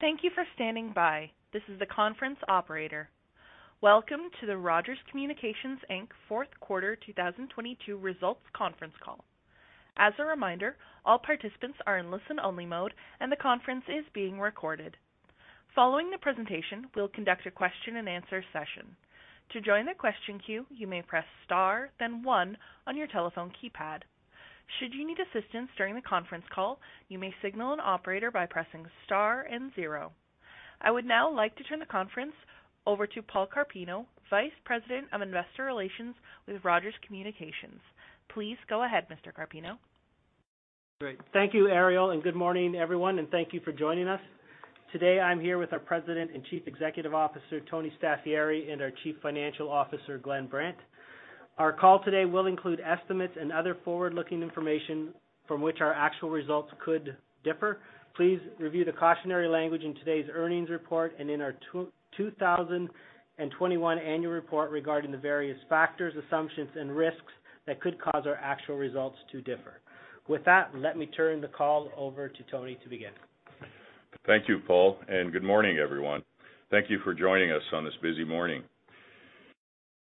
Thank you for standing by. This is the conference operator. Welcome to the Rogers Communications Inc. Fourth Quarter 2022 Results Conference Call. As a reminder, all participants are in listen-only mode, and the conference is being recorded. Following the presentation, we'll conduct a Q&A session. To join the question queue, you may press star, then one on your telephone keypad. Should you need assistance during the conference call, you may signal an operator by pressing star and zero. I would now like to turn the conference over to Paul Carpino, Vice President of Investor Relations with Rogers Communications. Please go ahead, Mr. Carpino. Great. Thank you, Ariel. Good morning, everyone, and thank you for joining us. Today, I'm here with our President and Chief Executive Officer, Tony Staffieri, and our Chief Financial Officer, Glenn Brandt. Our call today will include estimates and other forward-looking information from which our actual results could differ. Please review the cautionary language in today's earnings report and in our 2021 annual report regarding the various factors, assumptions, and risks that could cause our actual results to differ. With that, let me turn the call over to Tony to begin. Thank you, Paul Carpino, and good morning, everyone. Thank you for joining us on this busy morning.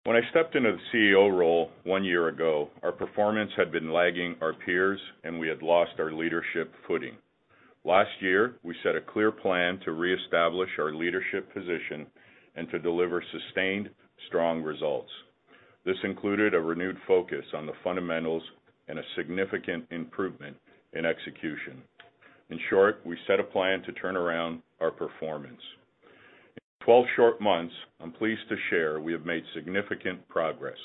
When I stepped into the CEO role one year ago, our performance had been lagging our peers, and we had lost our leadership footing. Last year, we set a clear plan to reestablish our leadership position and to deliver sustained, strong results. This included a renewed focus on the fundamentals and a significant improvement in execution. In short, we set a plan to turn around our performance. In 12 short months, I'm pleased to share we have made significant progress,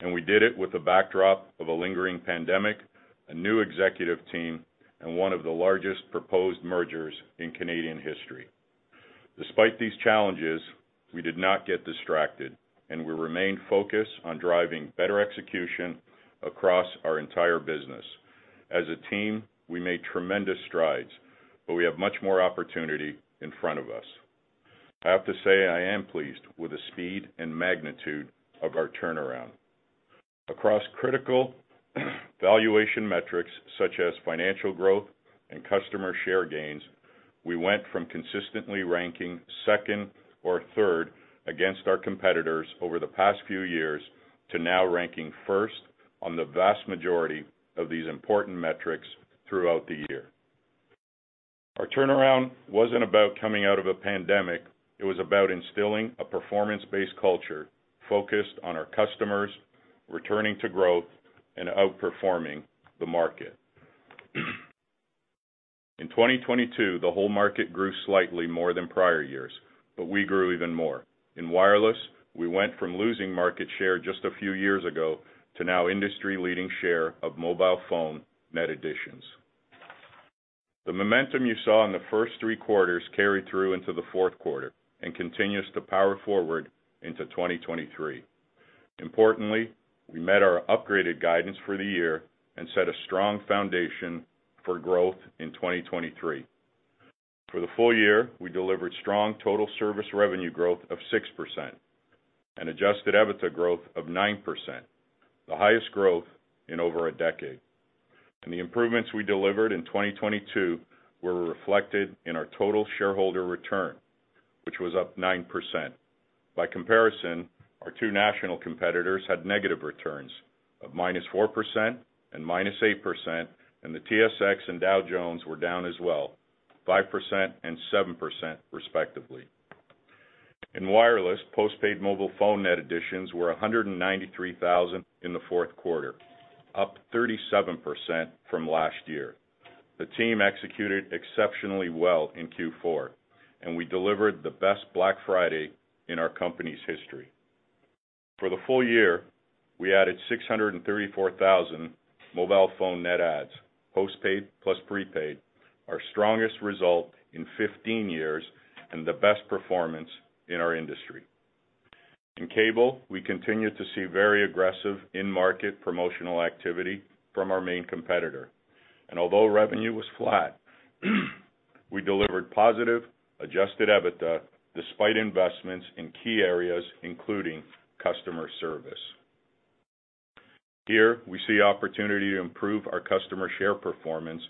and we did it with the backdrop of a lingering pandemic, a new executive team, and one of the largest proposed mergers in Canadian history. Despite these challenges, we did not get distracted, and we remained focused on driving better execution across our entire business. As a team, we made tremendous strides, but we have much more opportunity in front of us. I have to say I am pleased with the speed and magnitude of our turnaround. Across critical valuation metrics such as financial growth and customer share gains, we went from consistently ranking second or third against our competitors over the past few years to now ranking first on the vast majority of these important metrics throughout the year. Our turnaround wasn't about coming out of a pandemic, it was about instilling a performance-based culture focused on our customers, returning to growth, and outperforming the market. In 2022, the whole market grew slightly more than prior years, but we grew even more. In wireless, we went from losing market share just a few years ago to now industry-leading share of mobile phone net additions. The momentum you saw in the first three quarters carried through into the fourth quarter and continues to power forward into 2023. Importantly, we met our upgraded guidance for the year and set a strong foundation for growth in 2023. For the full year, we delivered strong total service revenue growth of 6% and adjusted EBITDA growth of 9%, the highest growth in over a decade. The improvements we delivered in 2022 were reflected in our total shareholder return, which was up 9%. By comparison, our two national competitors had negative returns of -4% and -8%, and the TSX and Dow Jones were down as well, 5% and 7% respectively. In wireless, post-paid mobile phone net additions were 193,000 in the fourth quarter, up 37% from last year. The team executed exceptionally well in Q4, and we delivered the best Black Friday in our company's history. For the full year, we added 634,000 mobile phone net adds, postpaid plus prepaid, our strongest result in 15 years and the best performance in our industry. In cable, we continued to see very aggressive in-market promotional activity from our main competitor. Although revenue was flat, we delivered positive adjusted EBITDA despite investments in key areas, including customer service. Here we see opportunity to improve our customer share performance,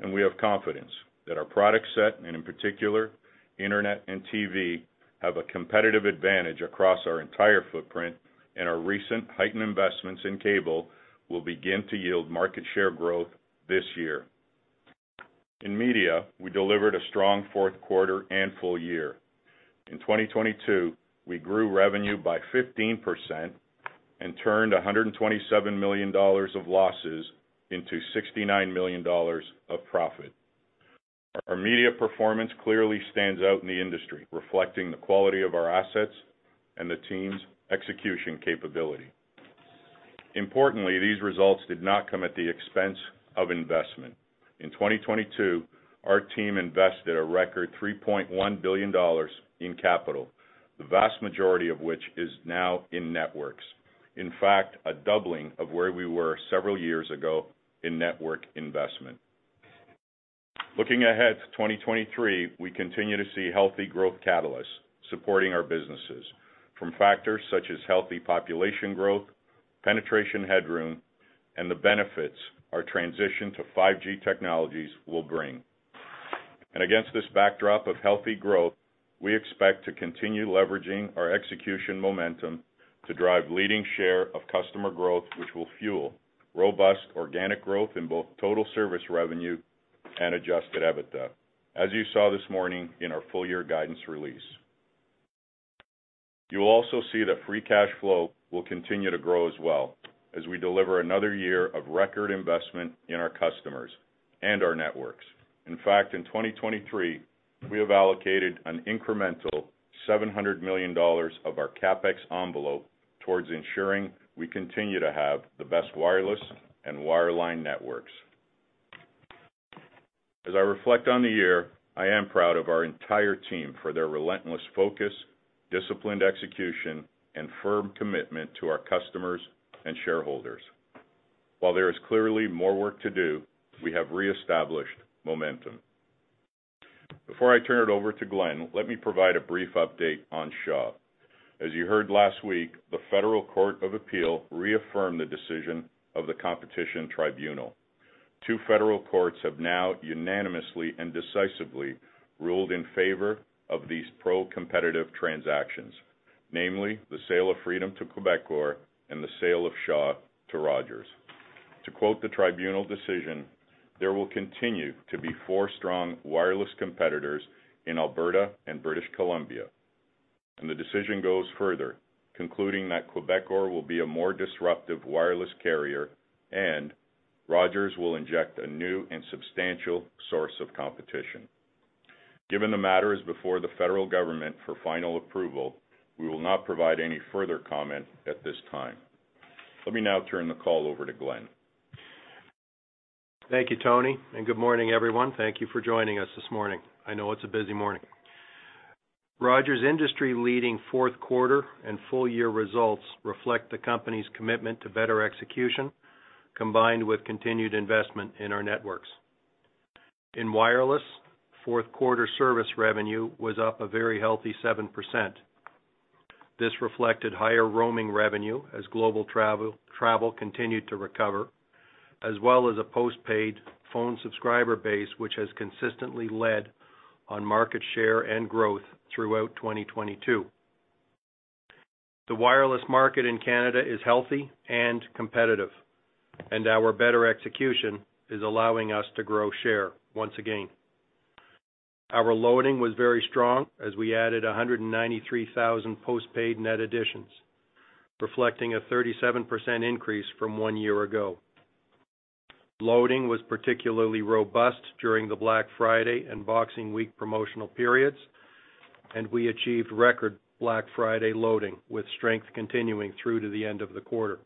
and we have confidence that our product set, and in particular, internet and TV, have a competitive advantage across our entire footprint, and our recent heightened investments in cable will begin to yield market share growth this year. In media, we delivered a strong fourth quarter and full year. In 2022, we grew revenue by 15% and turned 127 million dollars of losses into 69 million dollars of profit. Our media performance clearly stands out in the industry, reflecting the quality of our assets and the team's execution capability. Importantly, these results did not come at the expense of investment. In 2022, our team invested a record 3.1 billion dollars in capital, the vast majority of which is now in networks. In fact, a doubling of where we were several years ago in network investment. Looking ahead to 2023, we continue to see healthy growth catalysts supporting our businesses from factors such as healthy population growth, penetration headroom and the benefits our transition to 5G technologies will bring. Against this backdrop of healthy growth, we expect to continue leveraging our execution momentum to drive leading share of customer growth, which will fuel robust organic growth in both total service revenue and adjusted EBITDA, as you saw this morning in our full year guidance release. You will also see that free cash flow will continue to grow as well as we deliver another year of record investment in our customers and our networks. In fact, in 2023, we have allocated an incremental 700 million dollars of our CapEx envelope towards ensuring we continue to have the best wireless and wireline networks. As I reflect on the year, I am proud of our entire team for their relentless focus, disciplined execution, and firm commitment to our customers and shareholders. While there is clearly more work to do, we have reestablished momentum. Before I turn it over to Glenn, let me provide a brief update on Shaw. As you heard last week, the Federal Court of Appeal reaffirmed the decision of the Competition Tribunal. Two federal courts have now unanimously and decisively ruled in favor of these pro-competitive transactions, namely the sale of Freedom to Quebecor and the sale of Shaw to Rogers. To quote the tribunal decision, "There will continue to be four strong wireless competitors in Alberta and British Columbia." The decision goes further, concluding that will be a more disruptive wireless carrier, and Rogers will inject a new and substantial source of competition. Given the matter is before the federal government for final approval, we will not provide any further comment at this time. Let me now turn the call over to Glenn. Thank you, Tony, good morning, everyone. Thank you for joining us this morning. I know it's a busy morning. Rogers' industry-leading fourth quarter and full year results reflect the company's commitment to better execution, combined with continued investment in our networks. In wireless, fourth quarter service revenue was up a very healthy 7%. This reflected higher roaming revenue as global travel continued to recover, as well as a postpaid phone subscriber base which has consistently led on market share and growth throughout 2022. The wireless market in Canada is healthy and competitive, our better execution is allowing us to grow share once again. Our loading was very strong as we added 193,000 postpaid net additions, reflecting a 37% increase from one year ago. Loading was particularly robust during the Black Friday and Boxing Week promotional periods, and we achieved record Black Friday loading with strength continuing through to the end of the quarter.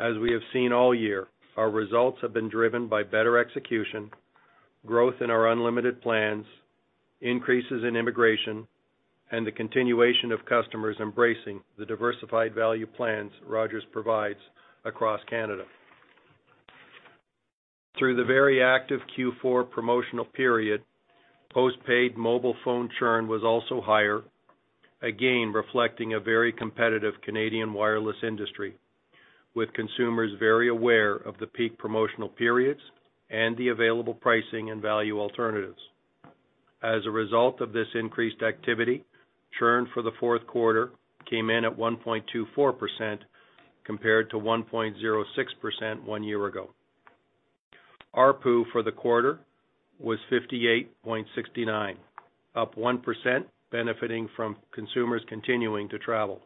As we have seen all year, our results have been driven by better execution, growth in our unlimited plans, increases in immigration, and the continuation of customers embracing the diversified value plans Rogers provides across Canada. Through the very active Q4 promotional period, postpaid mobile phone churn was also higher, again, reflecting a very competitive Canadian wireless industry, with consumers very aware of the peak promotional periods and the available pricing and value alternatives. As a result of this increased activity, churn for the fourth quarter came in at 1.24% compared to 1.06% one year ago. ARPU for the quarter was 58.69, up 1%, benefiting from consumers continuing to travel.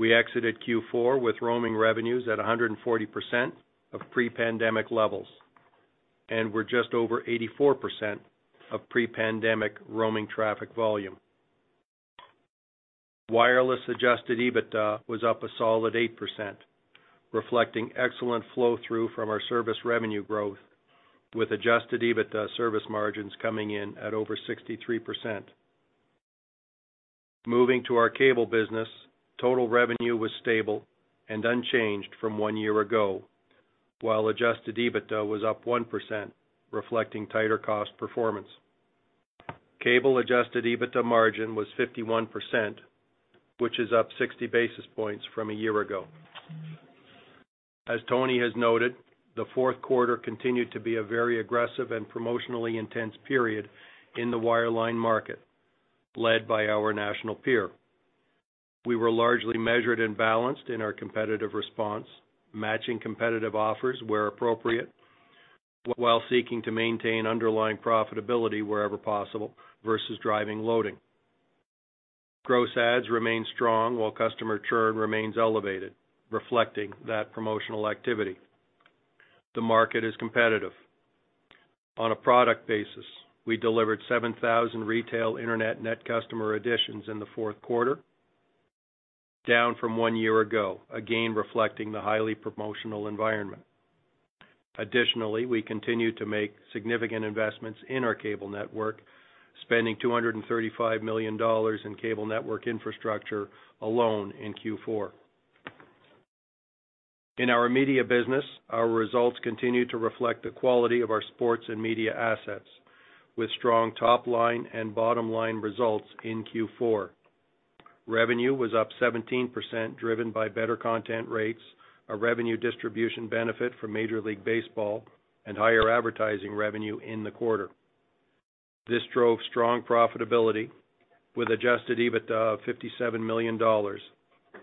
We exited Q4 with roaming revenues at 140% of pre-pandemic levels. We're just over 84% of pre-pandemic roaming traffic volume. Wireless adjusted EBITDA was up a solid 8%, reflecting excellent flow-through from our service revenue growth with adjusted EBITDA service margins coming in at over 63%. Moving to our cable business, total revenue was stable and unchanged from one year ago, while adjusted EBITDA was up 1%, reflecting tighter cost performance. Cable adjusted EBITDA margin was 51%, which is up 60 basis points from a year ago. As Tony has noted, the fourth quarter continued to be a very aggressive and promotionally intense period in the wireline market, led by our national peer. We were largely measured and balanced in our competitive response, matching competitive offers where appropriate, while seeking to maintain underlying profitability wherever possible versus driving loading. Gross adds remain strong while customer churn remains elevated, reflecting that promotional activity. The market is competitive. On a product basis, we delivered 7,000 retail Internet net customer additions in the fourth quarter, down from one year ago, again reflecting the highly promotional environment. Additionally, we continued to make significant investments in our cable network, spending 235 million dollars in cable network infrastructure alone in Q4. In our media business, our results continued to reflect the quality of our sports and media assets. With strong top line and bottom line results in Q4. Revenue was up 17%, driven by better content rates, a revenue distribution benefit from Major League Baseball and higher advertising revenue in the quarter. This drove strong profitability with adjusted EBITDA of 57 million dollars,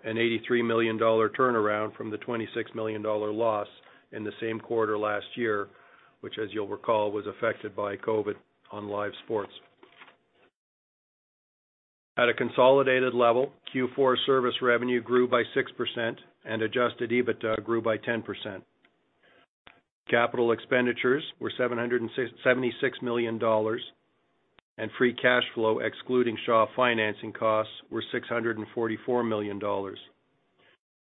a 83 million dollar turnaround from the 26 million dollar loss in the same quarter last year, which as you'll recall, was affected by COVID on live sports. At a consolidated level, Q4 service revenue grew by 6% and adjusted EBITDA grew by 10%. Capital expenditures were 76 million dollars, and free cash flow excluding Shaw financing costs were 644 million dollars.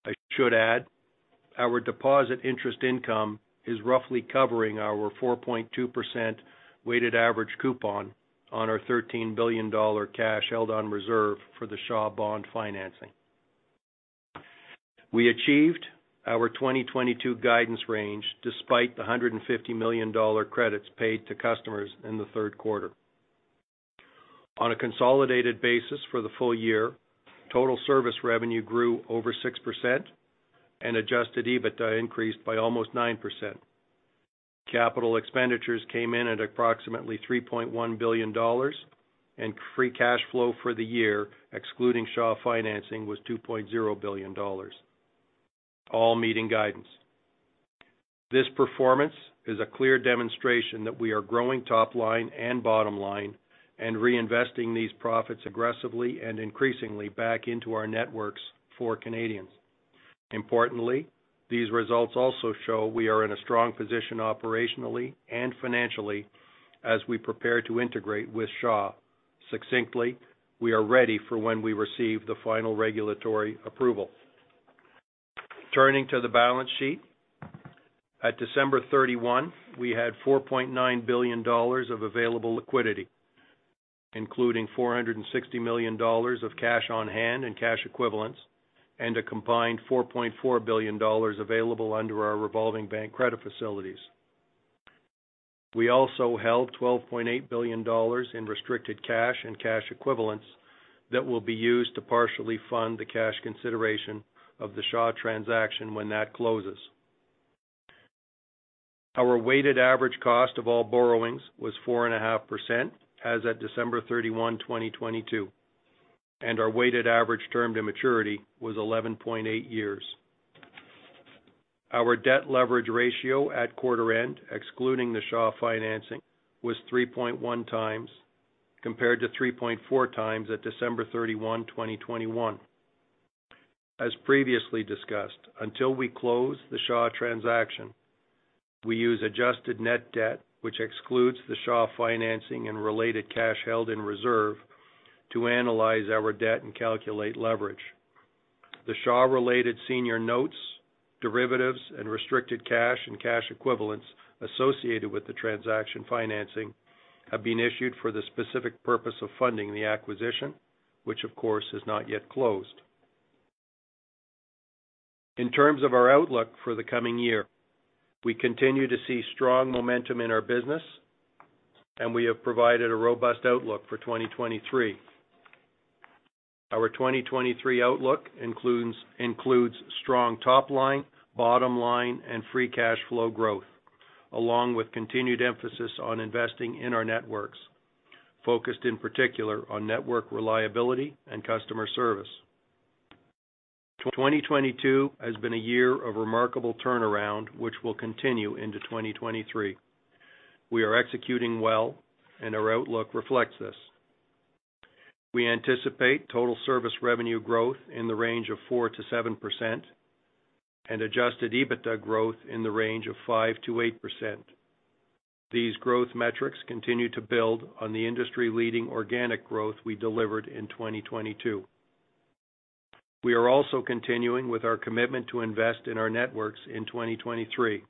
I should add, our deposit interest income is roughly covering our 4.2% weighted average coupon on our 13 billion dollar cash held on reserve for the Shaw bond financing. We achieved our 2022 guidance range despite the 150 million dollar credits paid to customers in the third quarter. On a consolidated basis for the full year, total service revenue grew over 6% and adjusted EBITDA increased by almost 9%. Capital expenditures came in at approximately 3.1 billion dollars, free cash flow for the year, excluding Shaw financing, was 2.0 billion dollars, all meeting guidance. This performance is a clear demonstration that we are growing top line and bottom line and reinvesting these profits aggressively and increasingly back into our networks for Canadians. Importantly, these results also show we are in a strong position operationally and financially as we prepare to integrate with Shaw. Succinctly, we are ready for when we receive the final regulatory approval. Turning to the balance sheet. At December 31, we had 4.9 billion dollars of available liquidity, including 460 million dollars of cash on hand and cash equivalents, and a combined 4.4 billion dollars available under our revolving bank credit facilities. We also held 12.8 billion dollars in restricted cash and cash equivalents that will be used to partially fund the cash consideration of the Shaw transaction when that closes. Our weighted average cost of all borrowings was 4.5% as of December 31, 2022, and our weighted average term to maturity was 11.8 years. Our debt leverage ratio at quarter end, excluding the Shaw financing, was 3.1 times compared to 3.4 times at December 31, 2021. As previously discussed, until we close the Shaw transaction, we use adjusted net debt, which excludes the Shaw financing and related cash held in reserve to analyze our debt and calculate leverage. The Shaw related senior notes, derivatives and restricted cash and cash equivalents associated with the transaction financing have been issued for the specific purpose of funding the acquisition, which of course is not yet closed. In terms of our outlook for the coming year, we continue to see strong momentum in our business and we have provided a robust outlook for 2023. Our 2023 outlook includes strong top line, bottom line and free cash flow growth, along with continued emphasis on investing in our networks, focused in particular on network reliability and customer service. 2022 has been a year of remarkable turnaround, which will continue into 2023. We are executing well and our outlook reflects this. We anticipate total service revenue growth in the range of 4%-7% and adjusted EBITDA growth in the range of 5%-8%. These growth metrics continue to build on the industry leading organic growth we delivered in 2022. We are also continuing with our commitment to invest in our networks in 2023.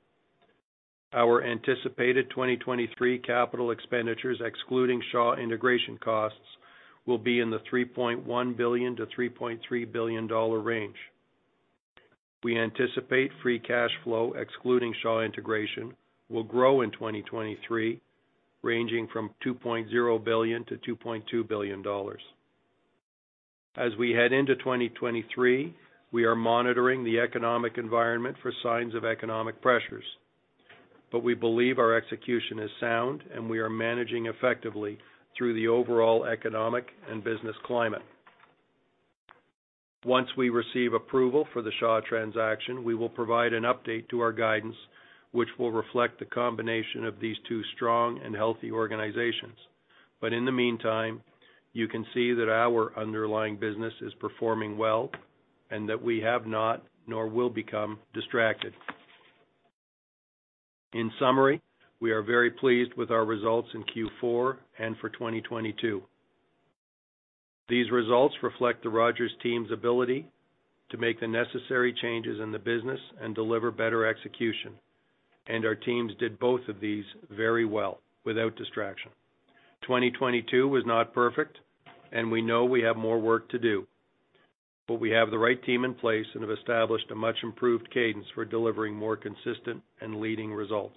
Our anticipated 2023 CapEx, excluding Shaw integration costs, will be in the 3.1 billion-3.3 billion dollar range. We anticipate free cash flow, excluding Shaw integration, will grow in 2023, ranging from 2.0 billion-2.2 billion dollars. As we head into 2023, we are monitoring the economic environment for signs of economic pressures. We believe our execution is sound and we are managing effectively through the overall economic and business climate. Once we receive approval for the Shaw transaction, we will provide an update to our guidance, which will reflect the combination of these two strong and healthy organizations. In the meantime, you can see that our underlying business is performing well and that we have not nor will become distracted. In summary, we are very pleased with our results in Q4 and for 2022. These results reflect the Rogers team's ability to make the necessary changes in the business and deliver better execution. Our teams did both of these very well without distraction. 2022 was not perfect and we know we have more work to do. We have the right team in place and have established a much improved cadence for delivering more consistent and leading results.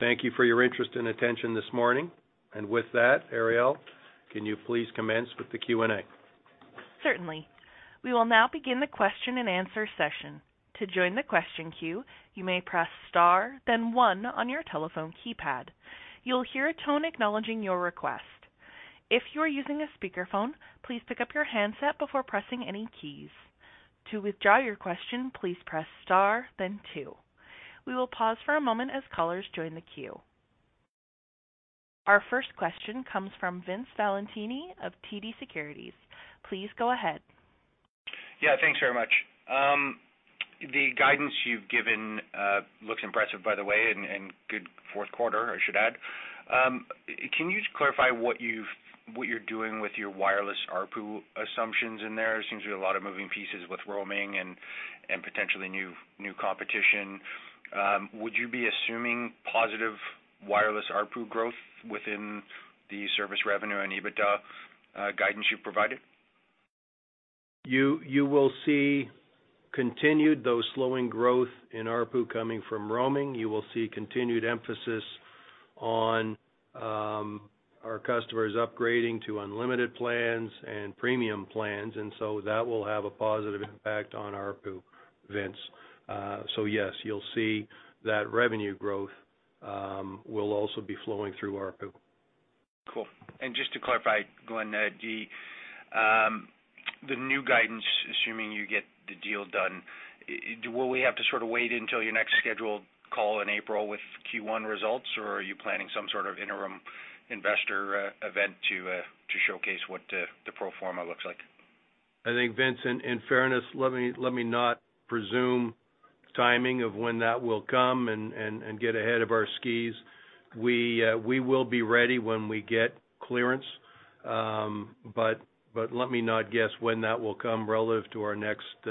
Thank you for your interest and attention this morning. With that, Ariel, can you please commence with the Q&A? Certainly. We will now begin the Q&A session. To join the question queue, you may press star then one on your telephone keypad. You'll hear a tone acknowledging your request. If you are using a speakerphone, please pick up your handset before pressing any keys. To withdraw your question, please press star then two. We will pause for a moment as callers join the queue. Our first question comes from Vince Valentini of TD Securities. Please go ahead. Yeah, thanks very much. The guidance you've given, looks impressive, by the way, and good fourth quarter, I should add. Can you just clarify what you're doing with your wireless ARPU assumptions in there? It seems to be a lot of moving pieces with roaming and potentially new competition. Would you be assuming positive wireless ARPU growth within the service revenue and EBITDA guidance you've provided? You will see continued, though slowing growth in ARPU coming from roaming. You will see continued emphasis on our customers upgrading to unlimited plans and premium plans, that will have a positive impact on ARPU, Vince. Yes, you'll see that revenue growth will also be flowing through ARPU. Cool. Just to clarify, Glenn, the new guidance, assuming you get the deal done, will we have to sort of wait until your next scheduled call in April with Q1 results, or are you planning some sort of interim investor event to showcase what the pro forma looks like? I think, Vince, in fairness, let me not presume timing of when that will come and get ahead of our skis. We will be ready when we get clearance. Let me not guess when that will come relative to our next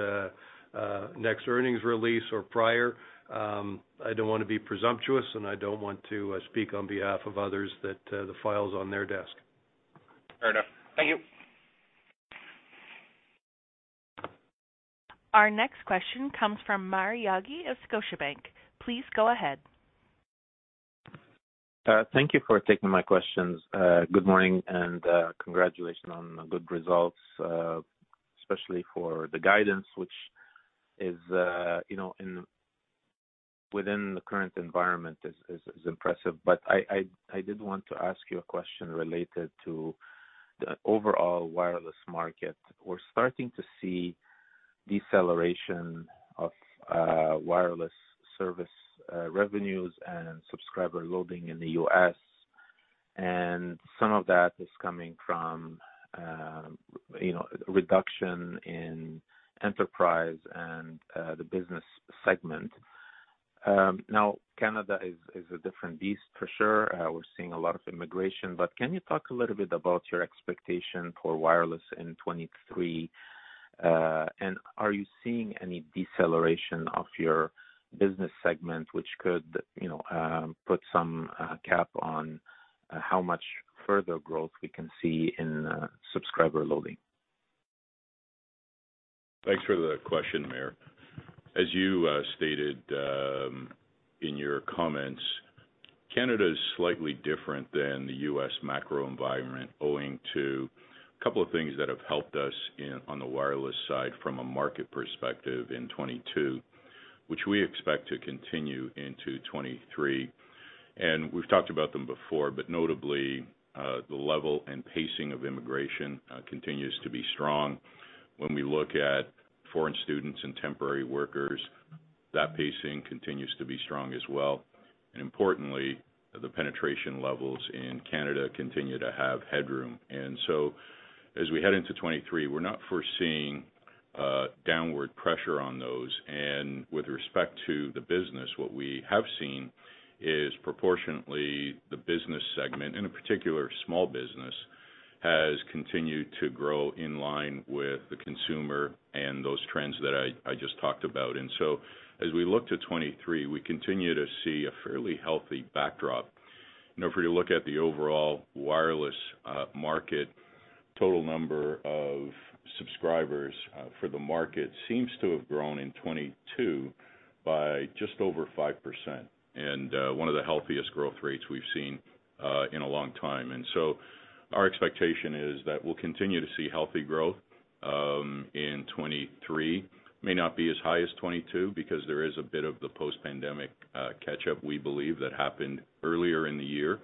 earnings release or prior. I don't wanna be presumptuous, and I don't want to speak on behalf of others that the file's on their desk. Fair enough. Thank you. Our next question comes from Maher Yaghi of Scotiabank. Please go ahead. Thank you for taking my questions. Good morning, and congratulations on the good results, especially for the guidance, which is, you know, within the current environment is impressive. I did want to ask you a question related to the overall wireless market. We're starting to see deceleration of wireless service revenues and subscriber loading in the U.S., and some of that is coming from, you know, reduction in enterprise and the business segment. Now Canada is a different beast for sure. We're seeing a lot of immigration, but can you talk a little bit about your expectation for wireless in 2023? Are you seeing any deceleration of your business segment, which could, you know, put some cap on how much further growth we can see in subscriber loading? Thanks for the question, Maher. As you stated in your comments, Canada is slightly different than the U.S. macro environment owing to a couple of things that have helped us on the wireless side from a market perspective in 2022, which we expect to continue into 2023. We've talked about them before, but notably, the level and pacing of immigration continues to be strong. When we look at foreign students and temporary workers, that pacing continues to be strong as well. Importantly, the penetration levels in Canada continue to have headroom. As we head into 2023, we're not foreseeing downward pressure on those. With respect to the business, what we have seen is proportionately the business segment, and in particular small business, has continued to grow in line with the consumer and those trends that I just talked about. As we look to 2023, we continue to see a fairly healthy backdrop. You know, if we look at the overall wireless market, total number of subscribers for the market seems to have grown in 2022 by just over 5% and one of the healthiest growth rates we've seen in a long time. Our expectation is that we'll continue to see healthy growth in 2023. May not be as high as 2022 because there is a bit of the post-pandemic catch up we believe that happened earlier in the year.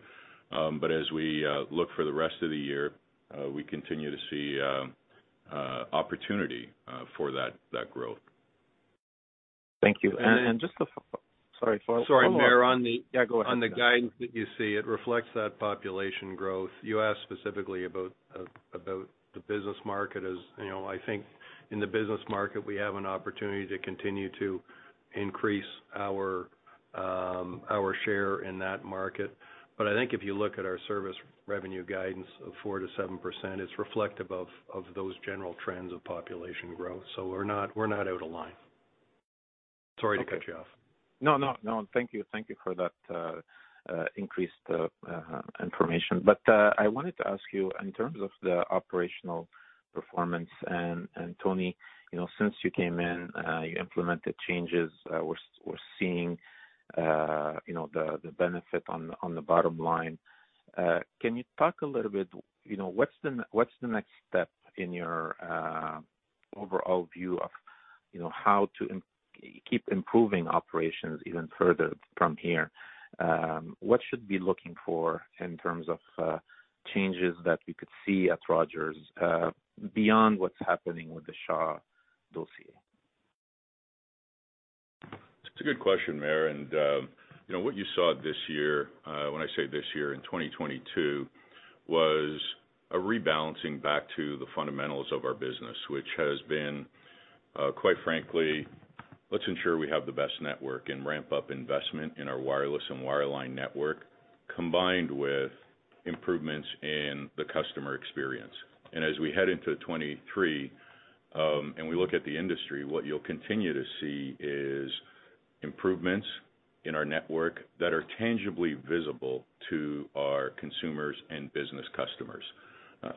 As we look for the rest of the year, we continue to see opportunity for that growth. Thank you. Just a- Sorry, Maher, on the- Yeah, go ahead. On the guidance that you see, it reflects that population growth. You asked specifically about the business market. As you know, I think in the business market, we have an opportunity to continue to increase our share in that market. I think if you look at our service revenue guidance of 4%-7%, it's reflective of those general trends of population growth. We're not out of line. Sorry to cut you off. No, no. Thank you. Thank you for that increased information. I wanted to ask you in terms of the operational performance and Tony, you know, since you came in, you implemented changes. We're seeing, you know, the benefit on the bottom line. Can you talk a little bit, you know, what's the next step in your overall view of, you know, how to keep improving operations even further from here? What should we be looking for in terms of changes that we could see at Rogers, beyond what's happening with the Shaw dossier? It's a good question, Maher. You know what you saw this year, when I say this year, in 2022, was a rebalancing back to the fundamentals of our business. Has been, quite frankly, let's ensure we have the best network and ramp up investment in our wireless and wireline network, combined with improvements in the customer experience. As we head into 2023, and we look at the industry, what you'll continue to see is improvements in our network that are tangibly visible to our consumers and business customers.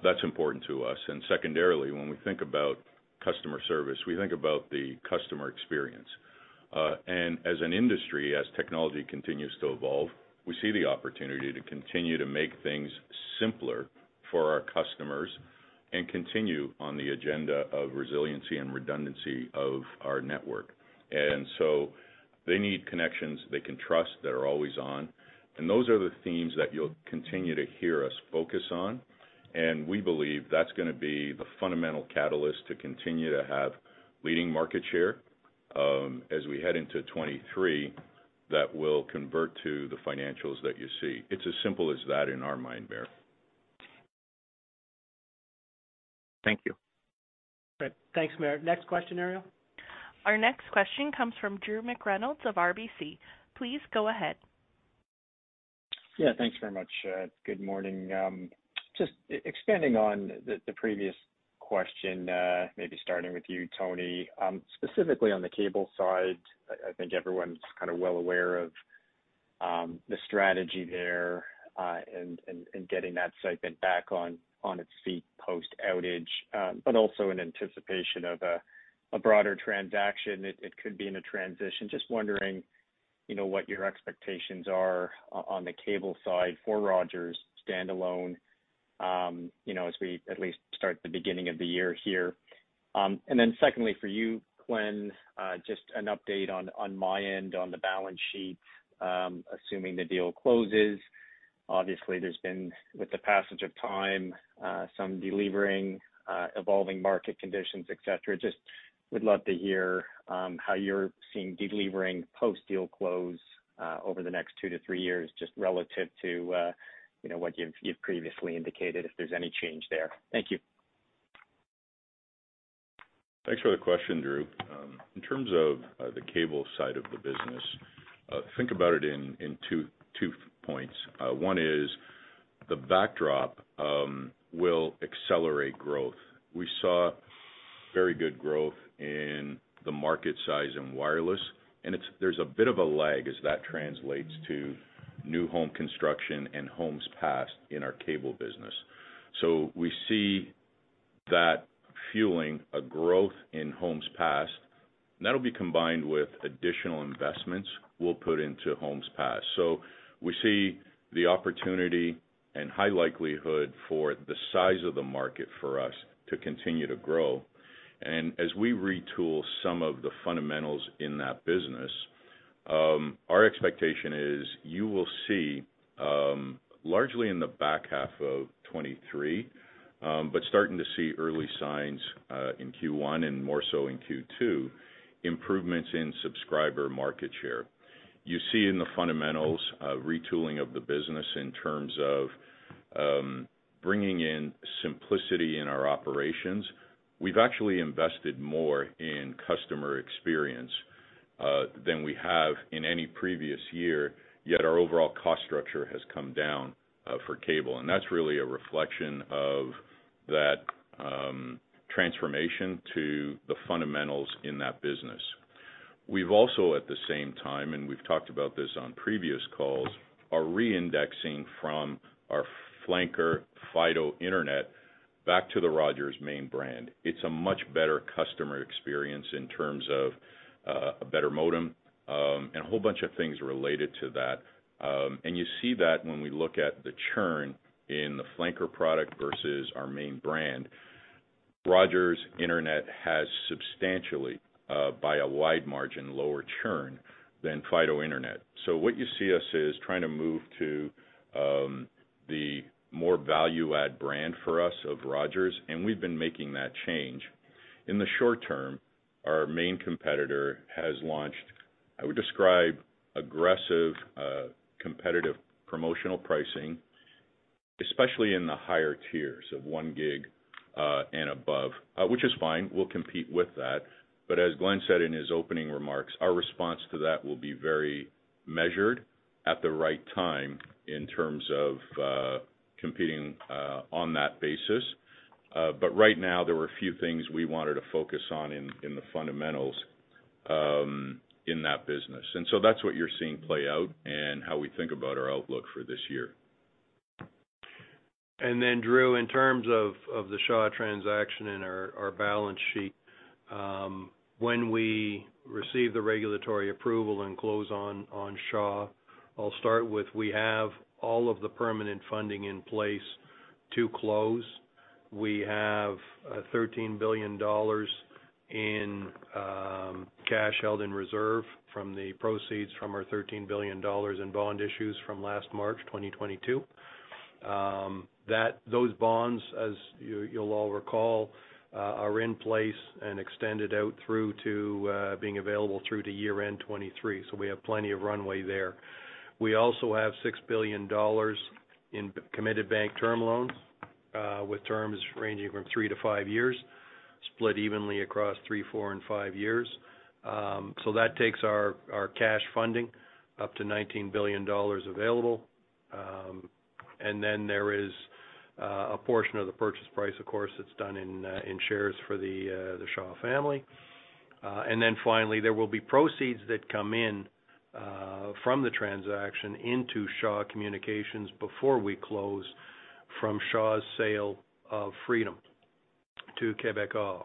That's important to us. Secondarily, when we think about customer service, we think about the customer experience. As an industry, as technology continues to evolve, we see the opportunity to continue to make things simpler for our customers and continue on the agenda of resiliency and redundancy of our network. They need connections they can trust that are always on. Those are the themes that you'll continue to hear us focus on. We believe that's gonna be the fundamental catalyst to continue to have leading market share as we head into 2023, that will convert to the financials that you see. It's as simple as that in our mind, Maher. Thank you. Okay. Thanks, Maher. Next question, Ariel. Our next question comes from Drew McReynolds of RBC. Please go ahead. Thanks very much. Good morning. Just expanding on the previous question, maybe starting with you, Tony. Specifically on the cable side, I think everyone's kind of well aware of the strategy there, and getting that segment back on its feet post-outage, but also in anticipation of a broader transaction it could be in a transition. Just wondering, you know, what your expectations are on the cable side for Rogers standalone, you know, as we at least start the beginning of the year here. Secondly, for you, Glenn, just an update on my end on the balance sheet, assuming the deal closes. Obviously, there's been, with the passage of time, some delevering, evolving market conditions, et cetera. Just would love to hear, how you're seeing delevering post-deal close, over the next two to three years, just relative to, you know, what you've previously indicated, if there's any change there. Thank you. Thanks for the question, Drew. In terms of the cable side of the business, think about it in two points. One is the backdrop will accelerate growth. We saw very good growth in the market size in wireless, and there's a bit of a lag as that translates to new home construction and homes passed in our cable business. We see that fueling a growth in homes passed, and that'll be combined with additional investments we'll put into homes passed. We see the opportunity and high likelihood for the size of the market for us to continue to grow. As we retool some of the fundamentals in that business, our expectation is you will see, largely in the back half of 2023, but starting to see early signs in Q1 and more so in Q2, improvements in subscriber market share. You see in the fundamentals a retooling of the business in terms of bringing in simplicity in our operations. We've actually invested more in customer experience than we have in any previous year, yet our overall cost structure has come down for cable. That's really a reflection of that transformation to the fundamentals in that business. We've also at the same time, and we've talked about this on previous calls, are reindexing from our flanker Fido Internet back to the Rogers main brand. It's a much better customer experience in terms of a better modem, and a whole bunch of things related to that. You see that when we look at the churn in the flanker product versus our main brand. Rogers Internet has substantially, by a wide margin, lower churn than Fido Internet. What you see us is trying to move to the more value add brand for us of Rogers, and we've been making that change. In the short term, our main competitor has launched, I would describe, aggressive, competitive promotional pricing, especially in the higher tiers of 1 gig and above. Which is fine. We'll compete with that. As Glenn said in his opening remarks, our response to that will be very measured at the right time in terms of competing on that basis. Right now there were a few things we wanted to focus on in the fundamentals in that business. That's what you're seeing play out and how we think about our outlook for this year. Drew, in terms of the Shaw transaction and our balance sheet, when we receive the regulatory approval and close on Shaw, I'll start with we have all of the permanent funding in place to close. We have 13 billion dollars in cash held in reserve from the proceeds from our 13 billion dollars in bond issues from last March 2022. Those bonds, as you'll all recall, are in place and extended out through to being available through to year-end 2023. We have plenty of runway there. We also have 6 billion dollars in committed bank term loans, with terms ranging from three to five years, split evenly across three, four, and five years. That takes our cash funding up to 19 billion dollars available. There is a portion of the purchase price, of course, that's done in shares for the Shaw family. Finally, there will be proceeds that come in from the transaction into Shaw Communications before we close from Shaw's sale of Freedom to Quebecor.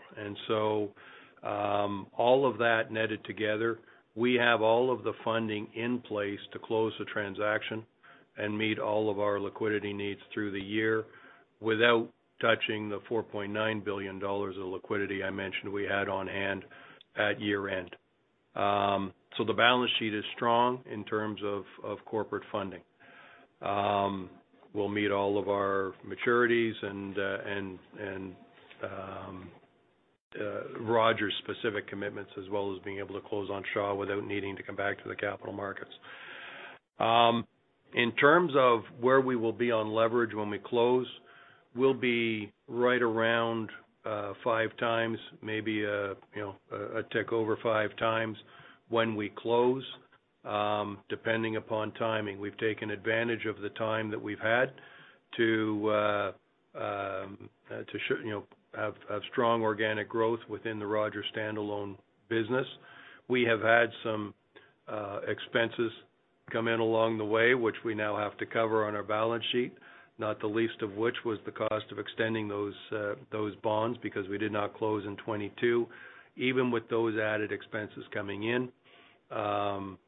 All of that netted together, we have all of the funding in place to close the transaction and meet all of our liquidity needs through the year without touching the 4.9 billion dollars of liquidity I mentioned we had on hand at year-end. The balance sheet is strong in terms of corporate funding. We'll meet all of our maturities and Rogers specific commitments as well as being able to close on Shaw without needing to come back to the capital markets. In terms of where we will be on leverage when we close, we'll be right around 5 times, maybe, you know, a tick over 5 times when we close, depending upon timing. We've taken advantage of the time that we've had to, you know, have strong organic growth within the Rogers standalone business. We have had some expenses come in along the way, which we now have to cover on our balance sheet, not the least of which was the cost of extending those bonds because we did not close in 2022. Even with those added expenses coming in,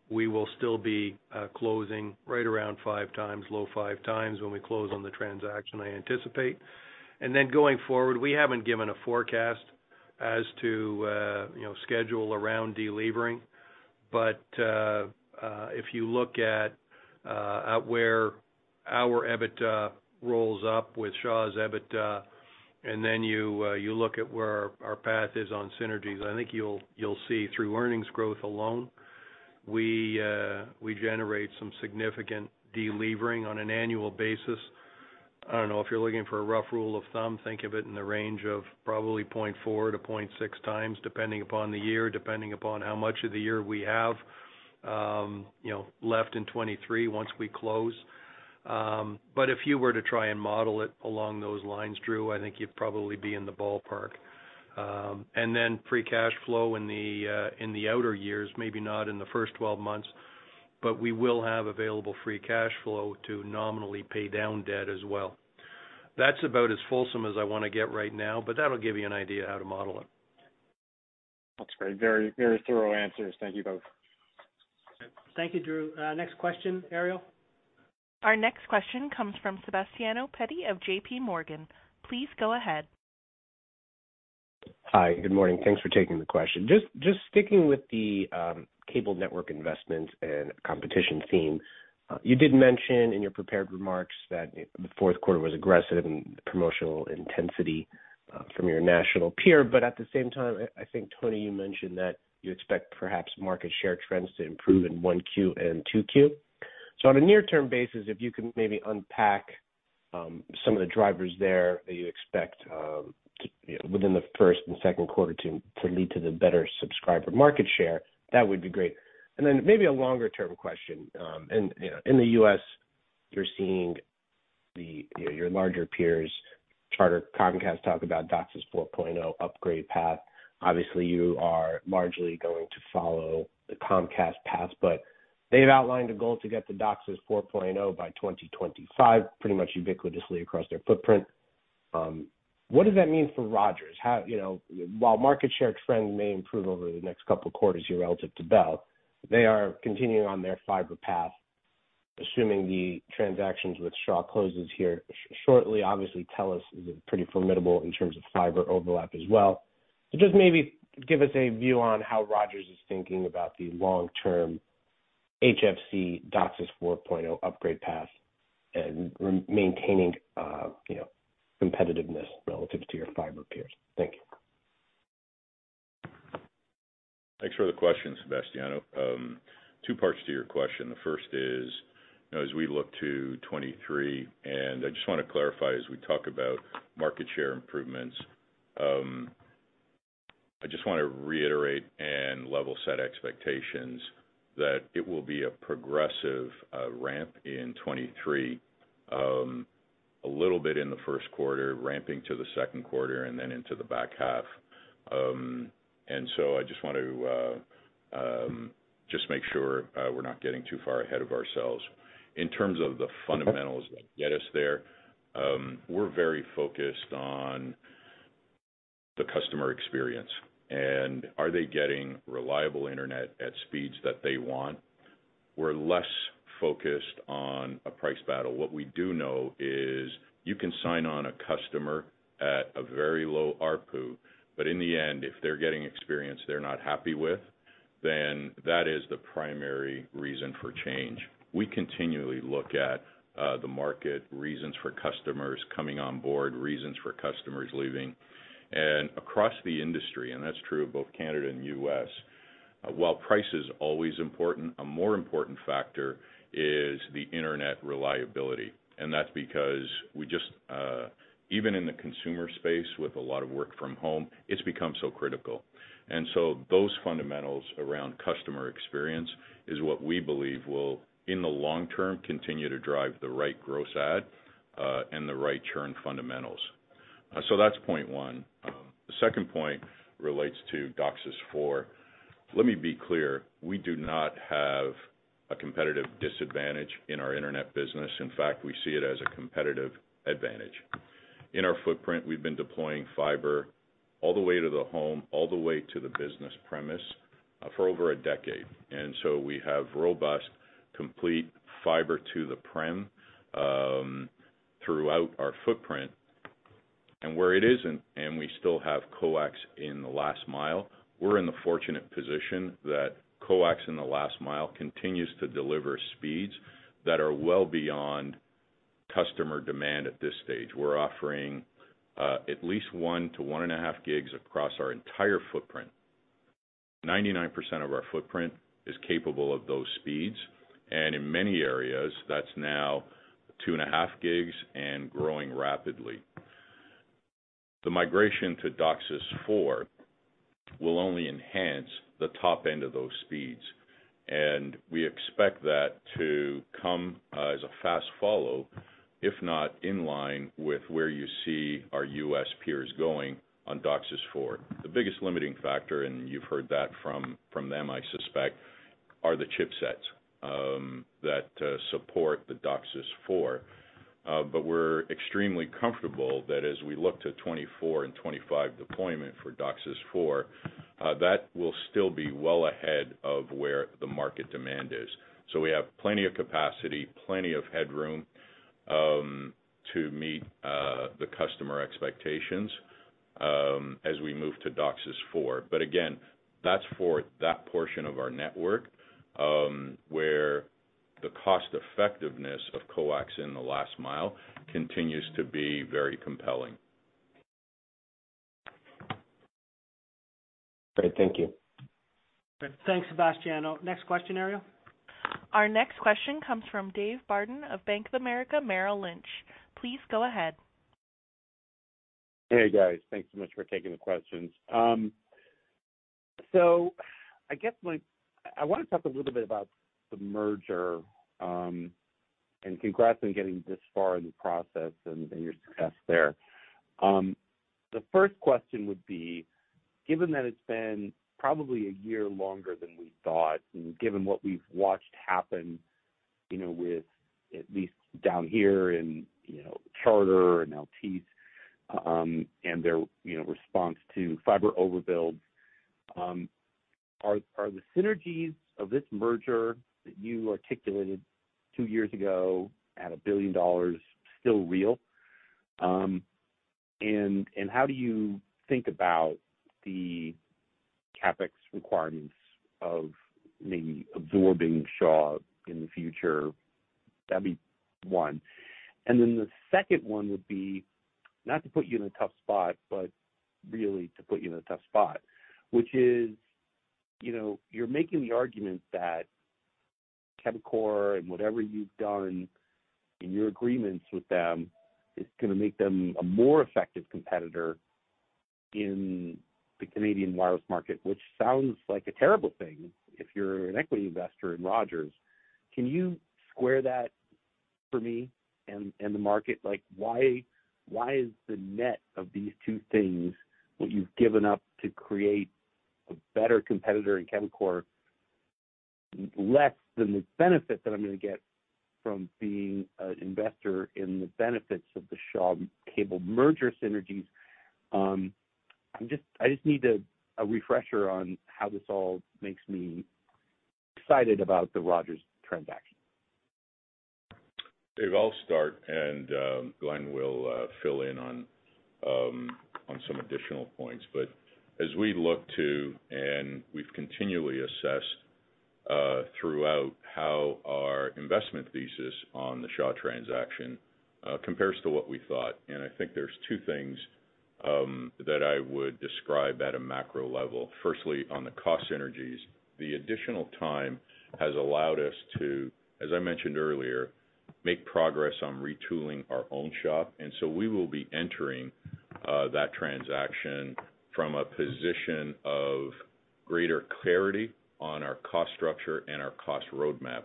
we will still be closing right around 5 times, low 5 times when we close on the transaction, I anticipate. Then going forward, we haven't given a forecast as to, you know, schedule around delevering. If you look at where our EBITDA rolls up with Shaw's EBITDA, and then you look at where our path is on synergies, I think you'll see through earnings growth alone, we generate some significant delevering on an annual basis. I don't know if you're looking for a rough rule of thumb, think of it in the range of probably 0.4-0.6 times, depending upon the year, depending upon how much of the year we have, you know, left in 2023 once we close. If you were to try and model it along those lines, Drew, I think you'd probably be in the ballpark. Free cash flow in the outer years, maybe not in the first 12 months, but we will have available free cash flow to nominally pay down debt as well. That's about as fulsome as I wanna get right now. That'll give you an idea how to model it. That's great. Very, very thorough answers. Thank you both. Thank you, Drew. Next question, Ariel. Our next question comes from Sebastiano Petti of JPMorgan. Please go ahead. Hi. Good morning. Thanks for taking the question. Just sticking with the cable network investment and competition theme, you did mention in your prepared remarks that the fourth quarter was aggressive in promotional intensity from your national peer. At the same time, I think, Tony, you mentioned that you expect perhaps market share trends to improve in 1Q and 2Q. On a near-term basis, if you can maybe unpack some of the drivers there that you expect, you know, within the first and second quarter to lead to the better subscriber market share, that would be great. Maybe a longer-term question. In, you know, in the U.S., you're seeing the, you know, your larger peers, Charter, Comcast, talk about DOCSIS 4.0 upgrade path. You are largely going to follow the Comcast path. They've outlined a goal to get to DOCSIS 4.0 by 2025, pretty much ubiquitously across their footprint. What does that mean for Rogers? How, you know, while market share trends may improve over the next couple quarters here relative to Bell, they are continuing on their fiber path, assuming the transactions with Shaw closes here shortly. Obviously, Telus is pretty formidable in terms of fiber overlap as well. Just maybe give us a view on how Rogers is thinking about the long-term HFC DOCSIS 4.0 upgrade path and maintaining, you know, competitiveness relative to your fiber peers. Thank you. Thanks for the question, Sebastiano. Two parts to your question. The first is, you know, as we look to 2023, and I just wanna clarify as we talk about market share improvements, I just wanna reiterate and level set expectations that it will be a progressive ramp in 2023. A little bit in the first quarter, ramping to the second quarter and then into the back half. I just want to make sure we're not getting too far ahead of ourselves. In terms of the fundamentals that get us there, we're very focused on the customer experience, and are they getting reliable internet at speeds that they want? We're less focused on a price battle. What we do know is you can sign on a customer at a very low ARPU. In the end, if they're getting experience they're not happy with, then that is the primary reason for change. We continually look at the market, reasons for customers coming on board, reasons for customers leaving. Across the industry, and that's true of both Canada and U.S., while price is always important, a more important factor is the internet reliability. That's because we just, even in the consumer space with a lot of work from home, it's become so critical. Those fundamentals around customer experience is what we believe will, in the long term, continue to drive the right gross add and the right churn fundamentals. That's point one. The second point relates to DOCSIS 4.0. Let me be clear, we do not have a competitive disadvantage in our internet business. In fact, we see it as a competitive advantage. In our footprint, we've been deploying fiber all the way to the home, all the way to the business premise for over a decade. We have robust, complete Fiber to the Premises throughout our footprint. Where it isn't, and we still have coax in the last mile, we're in the fortunate position that coax in the last mile continues to deliver speeds that are well beyond customer demand at this stage. We're offering at least 1 to 1.5 gigs across our entire footprint. 99% of our footprint is capable of those speeds, and in many areas, that's now 2.5 gigs and growing rapidly. The migration to DOCSIS 4 will only enhance the top end of those speeds, and we expect that to come as a fast follow, if not in line with where you see our U.S. peers going on DOCSIS 4. The biggest limiting factor, and you've heard that from them, I suspect, are the chipsets that support the DOCSIS 4. We're extremely comfortable that as we look to 2024 and 2025 deployment for DOCSIS 4, that will still be well ahead of where the market demand is. We have plenty of capacity, plenty of headroom to meet the customer expectations as we move to DOCSIS 4. Again, that's for that portion of our network where the cost effectiveness of coax in the last mile continues to be very compelling. Great. Thank you. Thanks, Sebastiano. Next question, Ariel. Our next question comes from Dave Barden of Bank of America Merrill Lynch. Please go ahead. Hey, guys. Thanks so much for taking the questions. I guess I want to talk a little bit about the merger, congrats on getting this far in the process and your success there. The first question would be, given that it's been probably a year longer than we thought, and given what we've watched happen, you know, with at least down here in, you know, Charter and Altice, and their, you know, response to fiber overbuild, are the synergies of this merger that you articulated two years ago at a billion dollars still real? How do you think about the CapEx requirements of maybe absorbing Shaw in the future? That'd be one. The second one would be, not to put you in a tough spot, but really to put you in a tough spot, which is, you know, you're making the argument that Quebecor and whatever you've done in your agreements with them is going to make them a more effective competitor in the Canadian wireless market, which sounds like a terrible thing if you're an equity investor in Rogers. Can you square that for me and the market? Why is the net of these two things, what you've given up to create a better competitor in Quebecor, less than the benefit that I'm going to get from being an investor in the benefits of the Shaw Cable merger synergies? I just need a refresher on how this all makes me excited about the Rogers transaction. Dave, I'll start, Glenn will fill in on some additional points. As we look to, and we've continually assessed throughout how our investment thesis on the Shaw transaction compares to what we thought, and I think there's two things that I would describe at a macro level. Firstly, on the cost synergies, the additional time has allowed us to, as I mentioned earlier, make progress on retooling our own shop. We will be entering that transaction from a position of greater clarity on our cost structure and our cost roadmap.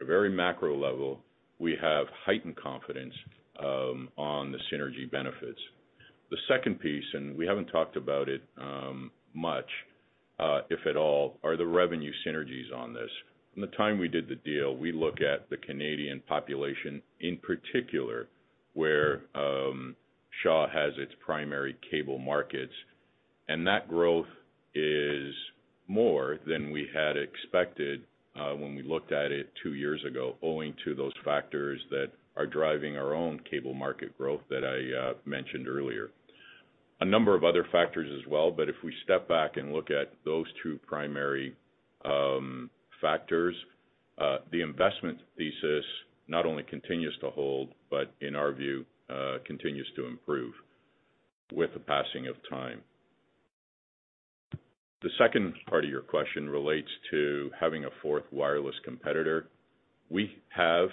A very macro level, we have heightened confidence on the synergy benefits. The second piece, and we haven't talked about it much, if at all, are the revenue synergies on this. From the time we did the deal, we look at the Canadian population in particular, where Shaw has its primary cable markets, and that growth is more than we had expected, when we looked at it two years ago, owing to those factors that are driving our own cable market growth that I mentioned earlier. A number of other factors as well, but if we step back and look at those two primary factors, the investment thesis not only continues to hold, but in our view, continues to improve with the passing of time. The second part of your question relates to having a fourth wireless competitor. We have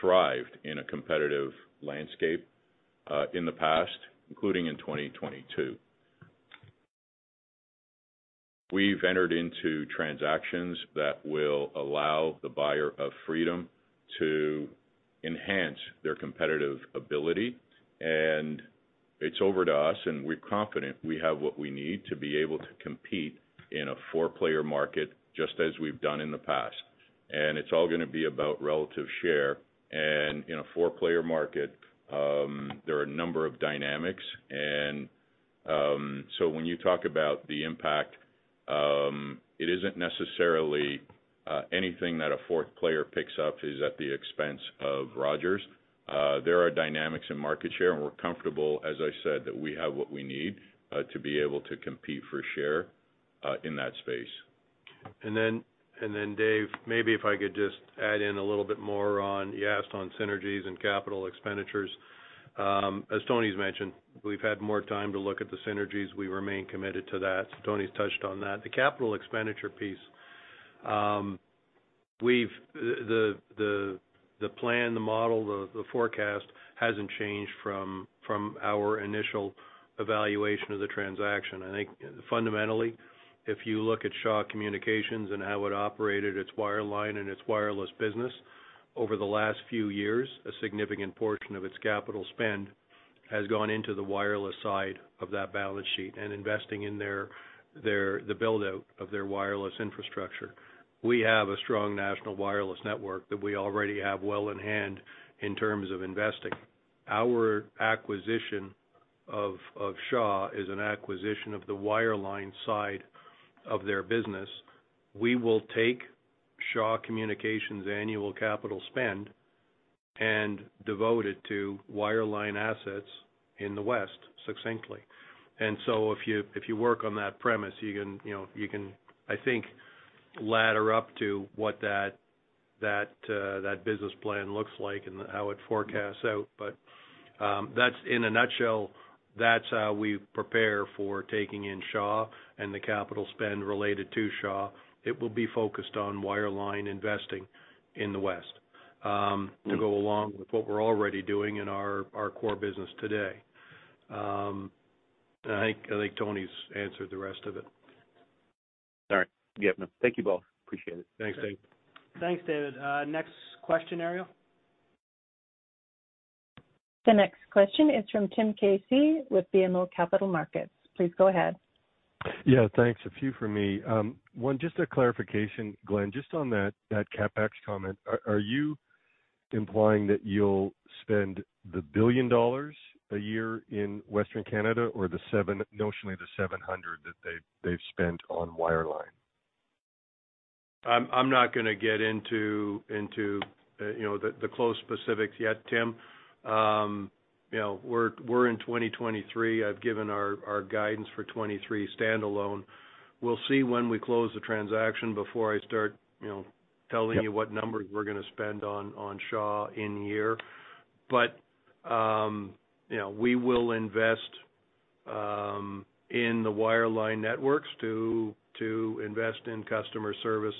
thrived in a competitive landscape in the past, including in 2022. We've entered into transactions that will allow the buyer of Freedom to enhance their competitive ability, it's over to us, and we're confident we have what we need to be able to compete in a four-player market just as we've done in the past. It's all gonna be about relative share. In a four-player market, there are a number of dynamics and, so when you talk about the impact, it isn't necessarily anything that a fourth player picks up is at the expense of Rogers. There are dynamics in market share, and we're comfortable, as I said, that we have what we need to be able to compete for share in that space. Dave, maybe if I could just add in a little bit more on, you asked on synergies and capital expenditures. As Tony's mentioned, we've had more time to look at the synergies. We remain committed to that. Tony's touched on that. The capital expenditure piece, the plan, the model, the forecast hasn't changed from our initial evaluation of the transaction. I think fundamentally, if you look at Shaw Communications and how it operated its wireline and its wireless business over the last few years, a significant portion of its capital spend has gone into the wireless side of that balance sheet and investing in their build-out of their wireless infrastructure. We have a strong national wireless network that we already have well in hand in terms of investing. Our acquisition of Shaw is an acquisition of the wireline side of their business. We will take Shaw Communications' annual capital spend and devote it to wireline assets in the West succinctly. If you work on that premise, you can, you know, you can, I think, ladder up to what that business plan looks like and how it forecasts out. That's in a nutshell, that's how we prepare for taking in Shaw and the capital spend related to Shaw. It will be focused on wireline investing in the West, to go along with what we're already doing in our core business today. I think Tony's answered the rest of it. All right. Yep. Thank you both. Appreciate it. Thanks, Dave. Thanks, Dave. Next question, Ariel. The next question is from Tim Casey with BMO Capital Markets. Please go ahead. Yeah, thanks. A few from me. One, just a clarification, Glenn, just on that CapEx comment. Are you implying that you'll spend the billion dollars a year in Western Canada or notionally the 700 million that they've spent on wireline? I'm not gonna get into, you know, the close specifics yet, Tim. You know, we're in 2023. I've given our guidance for 2023 standalone. We'll see when we close the transaction before I start, you know, telling you what numbers we're gonna spend on Shaw in year. You know, we will invest in the wireline networks to invest in customer service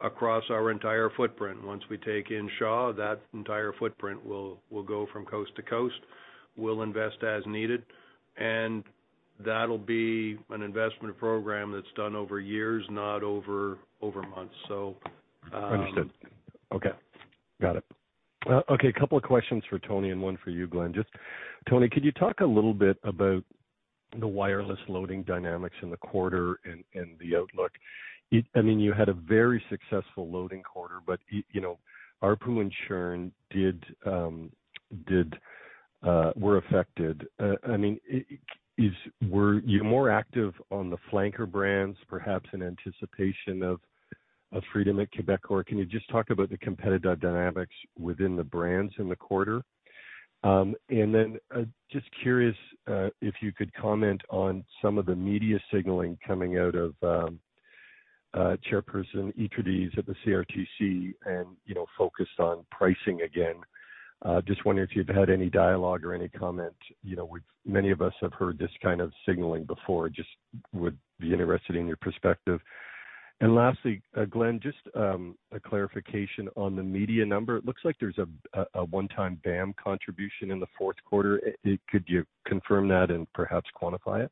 across our entire footprint. Once we take in Shaw, that entire footprint will go from coast to coast. We'll invest as needed, and that'll be an investment program that's done over years, not over months. Understood. Okay. Got it. Okay, a couple of questions for Tony and one for you, Glenn. Just, Tony, could you talk a little bit about the wireless loading dynamics in the quarter and the outlook? I mean, you had a very successful loading quarter, but you know, ARPU and churn did were affected. I mean, were you more active on the flanker brands, perhaps in anticipation of Freedom at Quebec? Or can you just talk about the competitive dynamics within the brands in the quarter? Just curious, if you could comment on some of the media signaling coming out of Chairperson Eatrides at the CRTC and, you know, focused on pricing again. Just wondering if you've had any dialogue or any comment. You know, many of us have heard this kind of signaling before. Just would be interested in your perspective. Lastly, Glenn, just a clarification on the media number. It looks like there's a one-time BAM contribution in the fourth quarter. Could you confirm that and perhaps quantify it?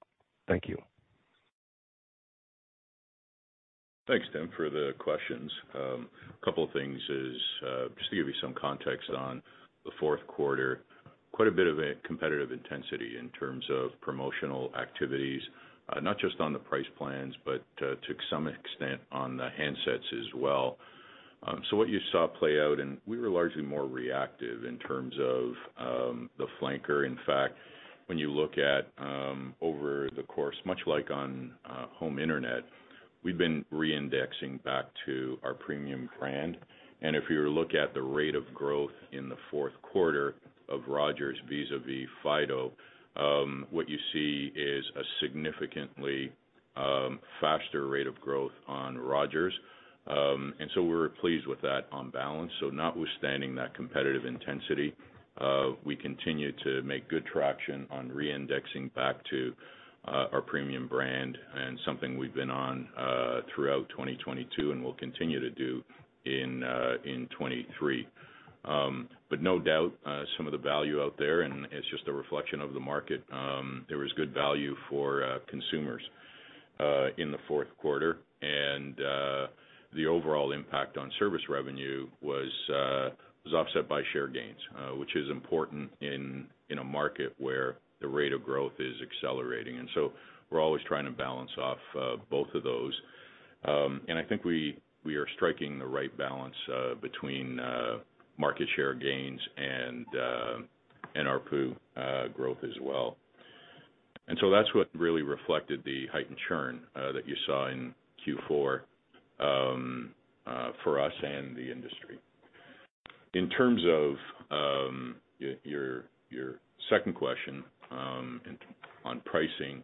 Thank you. Thanks, Tim, for the questions. couple of things is just to give you some context on the fourth quarter, quite a bit of a competitive intensity in terms of promotional activities, not just on the price plans, but to some extent on the handsets as well. What you saw play out, and we were largely more reactive in terms of the flanker. In fact, when you look at over the course, much like on home internet, we've been re-indexing back to our premium brand. If you look at the rate of growth in the fourth quarter of Rogers vis-a-vis Fido, what you see is a significantly faster rate of growth on Rogers. We're pleased with that on balance. Notwithstanding that competitive intensity, we continue to make good traction on re-indexing back to our premium brand and something we've been on throughout 2022, and we'll continue to do in 2023. No doubt, some of the value out there, and it's just a reflection of the market. There was good value for consumers in the fourth quarter. The overall impact on service revenue was offset by share gains, which is important in a market where the rate of growth is accelerating. We're always trying to balance off both of those. I think we are striking the right balance between market share gains and ARPU growth as well. That's what really reflected the heightened churn that you saw in Q4 for us and the industry. In terms of your second question on pricing.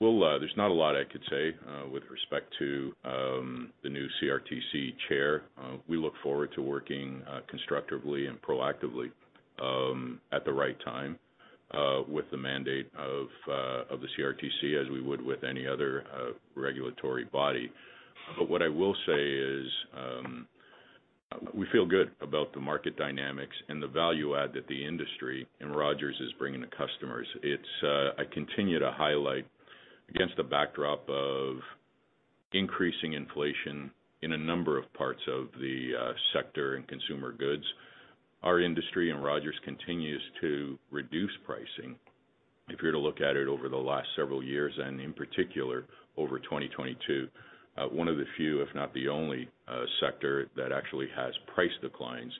Well, there's not a lot I could say with respect to the new CRTC chair. We look forward to working constructively and proactively at the right time with the mandate of the CRTC, as we would with any other regulatory body. What I will say is, we feel good about the market dynamics and the value add that the industry and Rogers is bringing to customers. It's, I continue to highlight, against the backdrop of increasing inflation in a number of parts of the sector and consumer goods, our industry and Rogers continues to reduce pricing. If you're to look at it over the last several years, and in particular over 2022, one of the few, if not the only, sector that actually has price declines,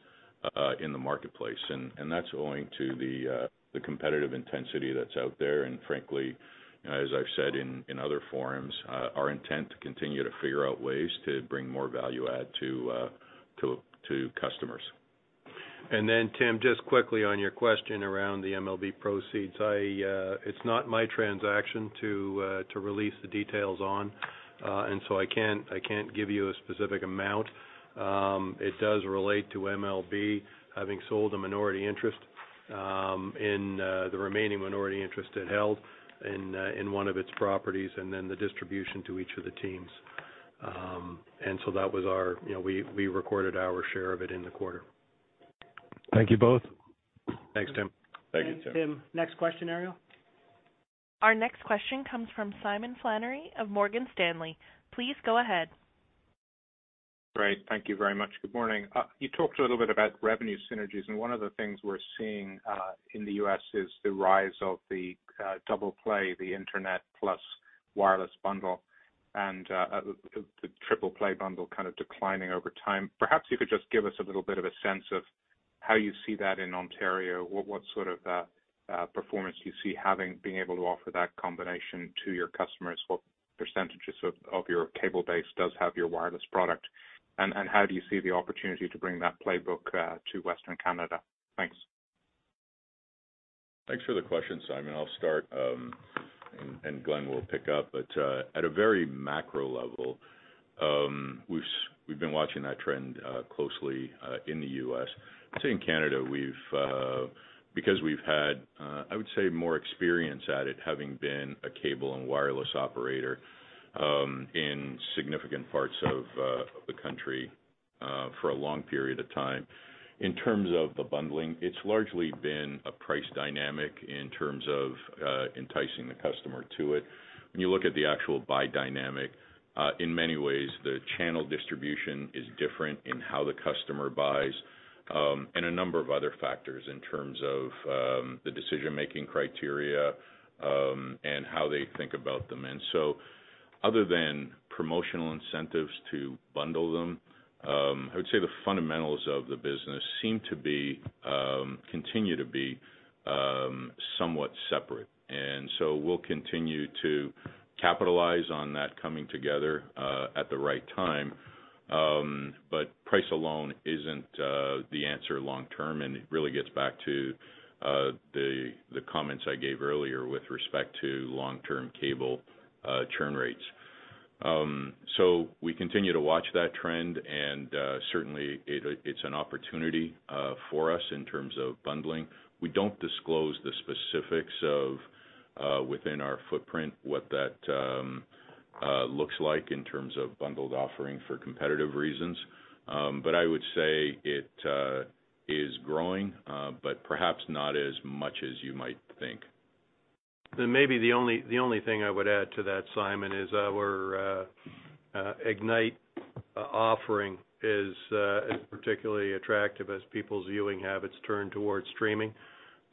in the marketplace. That's owing to the competitive intensity that's out there. Frankly, as I've said in other forums, our intent to continue to figure out ways to bring more value add to, to customers. Tim, just quickly on your question around the MLB proceeds. I, it's not my transaction to release the details on, and so I can't give you a specific amount. It does relate to MLB having sold a minority interest in the remaining minority interest it held in one of its properties, and then the distribution to each of the teams. That was our, you know, we recorded our share of it in the quarter. Thank you both. Thanks, Tim. Thank you, Tim. Tim, next question, Ariel. Our next question comes from Simon Flannery of Morgan Stanley. Please go ahead. Great. Thank you very much. Good morning. You talked a little bit about revenue synergies, and one of the things we're seeing in the U.S. is the rise of the double play, the internet plus wireless bundle, and the triple play bundle kind of declining over time. Perhaps you could just give us a little bit of a sense of how you see that in Ontario, what sort of performance you see having being able to offer that combination to your customers, what percentages of your cable base does have your wireless product, and how do you see the opportunity to bring that playbook to Western Canada? Thanks. Thanks for the question, Simon. I'll start, and Glenn will pick up. At a very macro level, we've been watching that trend closely in the U.S. I'd say in Canada we've because we've had I would say more experience at it, having been a cable and wireless operator in significant parts of the country for a long period of time. In terms of the bundling, it's largely been a price dynamic in terms of enticing the customer to it. When you look at the actual buy dynamic, in many ways, the channel distribution is different in how the customer buys, and a number of other factors in terms of the decision-making criteria, and how they think about them. Other than promotional incentives to bundle them, I would say the fundamentals of the business seem to be, continue to be, somewhat separate. We'll continue to capitalize on that coming together at the right time. Price alone isn't the answer long term, and it really gets back to the comments I gave earlier with respect to long-term cable churn rates. We continue to watch that trend and certainly it's an opportunity for us in terms of bundling. We don't disclose the specifics of within our footprint, what that looks like in terms of bundled offering for competitive reasons. I would say it is growing, but perhaps not as much as you might think. Maybe the only thing I would add to that, Simon, is our Ignite offering is particularly attractive as people's viewing habits turn towards streaming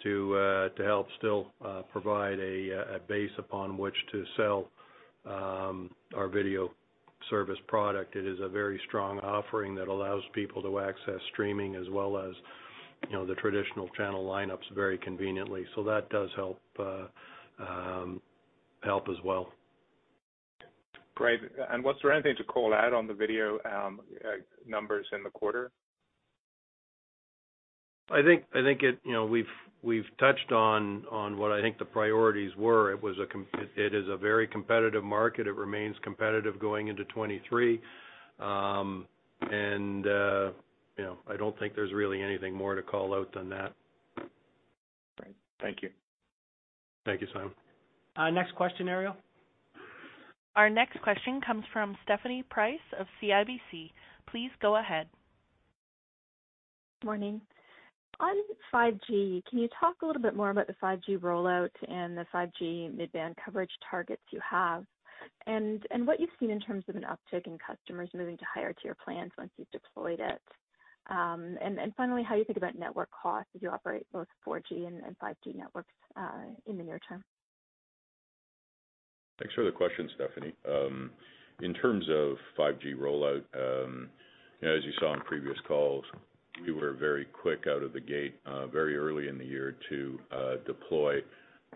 to help still provide a base upon which to sell our video service product. It is a very strong offering that allows people to access streaming as well as, you know, the traditional channel lineups very conveniently. That does help help as well. Great. Was there anything to call out on the video, numbers in the quarter? I think it. You know, we've touched on what I think the priorities were. It is a very competitive market. It remains competitive going into 2023. You know, I don't think there's really anything more to call out than that. Great. Thank you. Thank you, Simon. Next question, Ariel. Our next question comes from Stephanie Price of CIBC. Please go ahead. Morning. On 5G, can you talk a little bit more about the 5G rollout and the 5G mid-band coverage targets you have? And, and what you've seen in terms of an uptick in customers moving to higher tier plans once you've deployed it. And, and finally, how you think about network costs as you operate both 4G and 5G networks in the near term? Thanks for the question, Stephanie. In terms of 5G rollout, you know, as you saw in previous calls, we were very quick out of the gate, very early in the year to deploy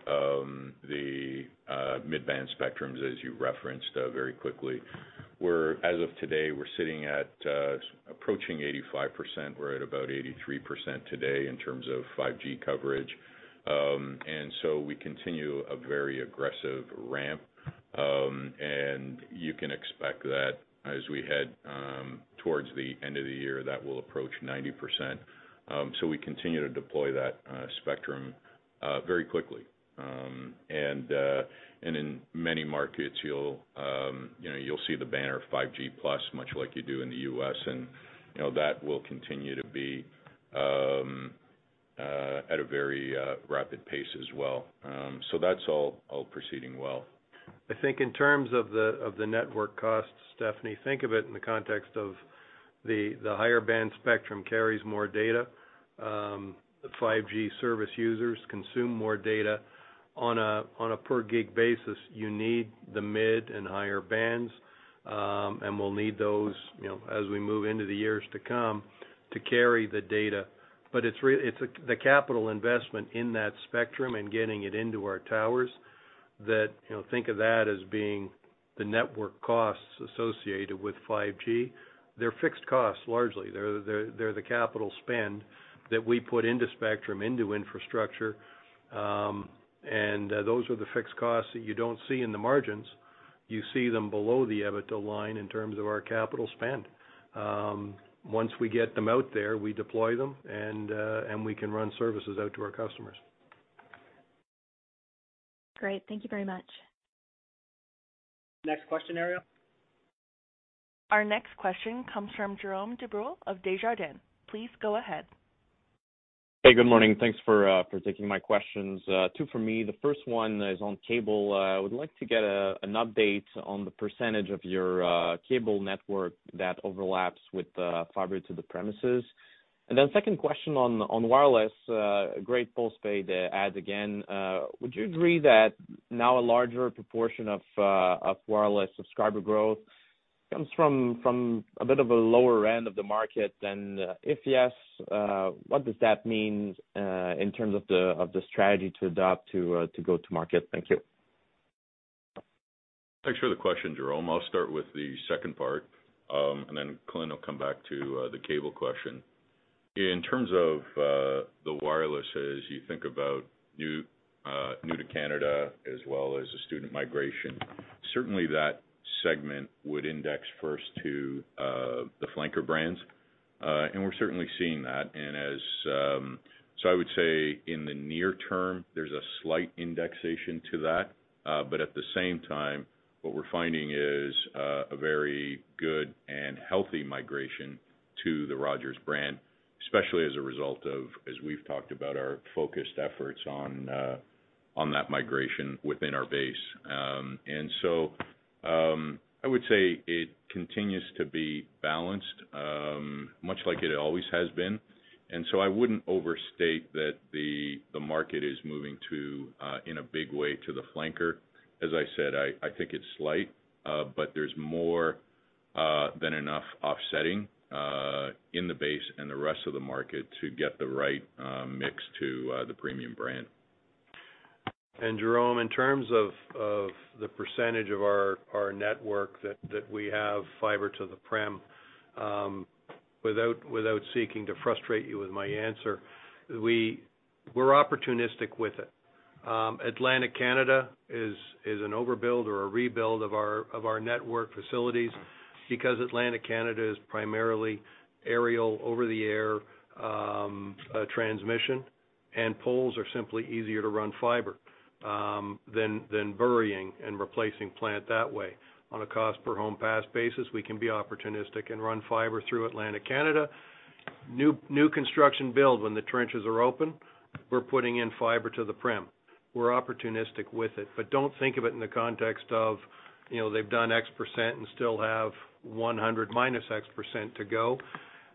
the mid-band spectrums as you referenced, very quickly. As of today, we're sitting at approaching 85%. We're at about 83% today in terms of 5G coverage. We continue a very aggressive ramp. You can expect that as we head towards the end of the year, that will approach 90%. We continue to deploy that spectrum very quickly. In many markets, you'll, you know, you'll see the banner 5G+ much like you do in the U.S. and, you know, that will continue to be at a very rapid pace as well. That's all proceeding well. I think in terms of the network costs, Stephanie, think of it in the context of the higher band spectrum carries more data. The 5G service users consume more data. On a per gig basis, you need the mid and higher bands, and we'll need those, you know, as we move into the years to come to carry the data. It's the capital investment in that spectrum and getting it into our towers that, you know, think of that as being the network costs associated with 5G. They're fixed costs, largely. They're the capital spend that we put into spectrum, into infrastructure. Those are the fixed costs that you don't see in the margins. You see them below the EBITDA line in terms of our capital spend. Once we get them out there, we deploy them, and we can run services out to our customers. Great. Thank you very much. Next question, Ariel. Our next question comes from Jérome Dubreuil of Desjardins. Please go ahead. Hey, good morning. Thanks for taking my questions. Two for me. The first one is on cable. I would like to get an update on the percentage of your cable network that overlaps with the Fiber to the Premises. Second question on wireless, great postpaid adds again. Would you agree that now a larger proportion of wireless subscriber growth comes from a bit of a lower end of the market? If yes, what does that mean, in terms of the strategy to adopt to go to market? Thank you. Thanks for the Jérome. I'll start with the second part, and then Glenn will come back to the cable question. In terms of the wireless as you think about new to Canada as well as the student migration, certainly that segment would index first to the flanker brands. We're certainly seeing that. I would say in the near term, there's a slight indexation to that. At the same time, what we're finding is a very good and healthy migration to the Rogers brand, especially as a result of, as we've talked about, our focused efforts on that migration within our base. I would say it continues to be balanced, much like it always has been. I wouldn't overstate that the market is moving to in a big way to the flanker. As I said, I think it's slight, but there's more than enough offsetting in the base and the rest of the market to get the right mix to the premium brand. Jérome, in terms of the percentage of our network that we have fiber to the prem, without seeking to frustrate you with my answer, we're opportunistic with it. Atlantic Canada is an overbuild or a rebuild of our network facilities because Atlantic Canada is primarily aerial over-the-air transmission, and poles are simply easier to run fiber than burying and replacing plant that way. On a cost per home pass basis, we can be opportunistic and run fiber through Atlantic Canada. New construction build, when the trenches are open, we're putting in fiber to the prem. We're opportunistic with it. Don't think of it in the context of, you know, they've done X% and still have 100 minus X% to go.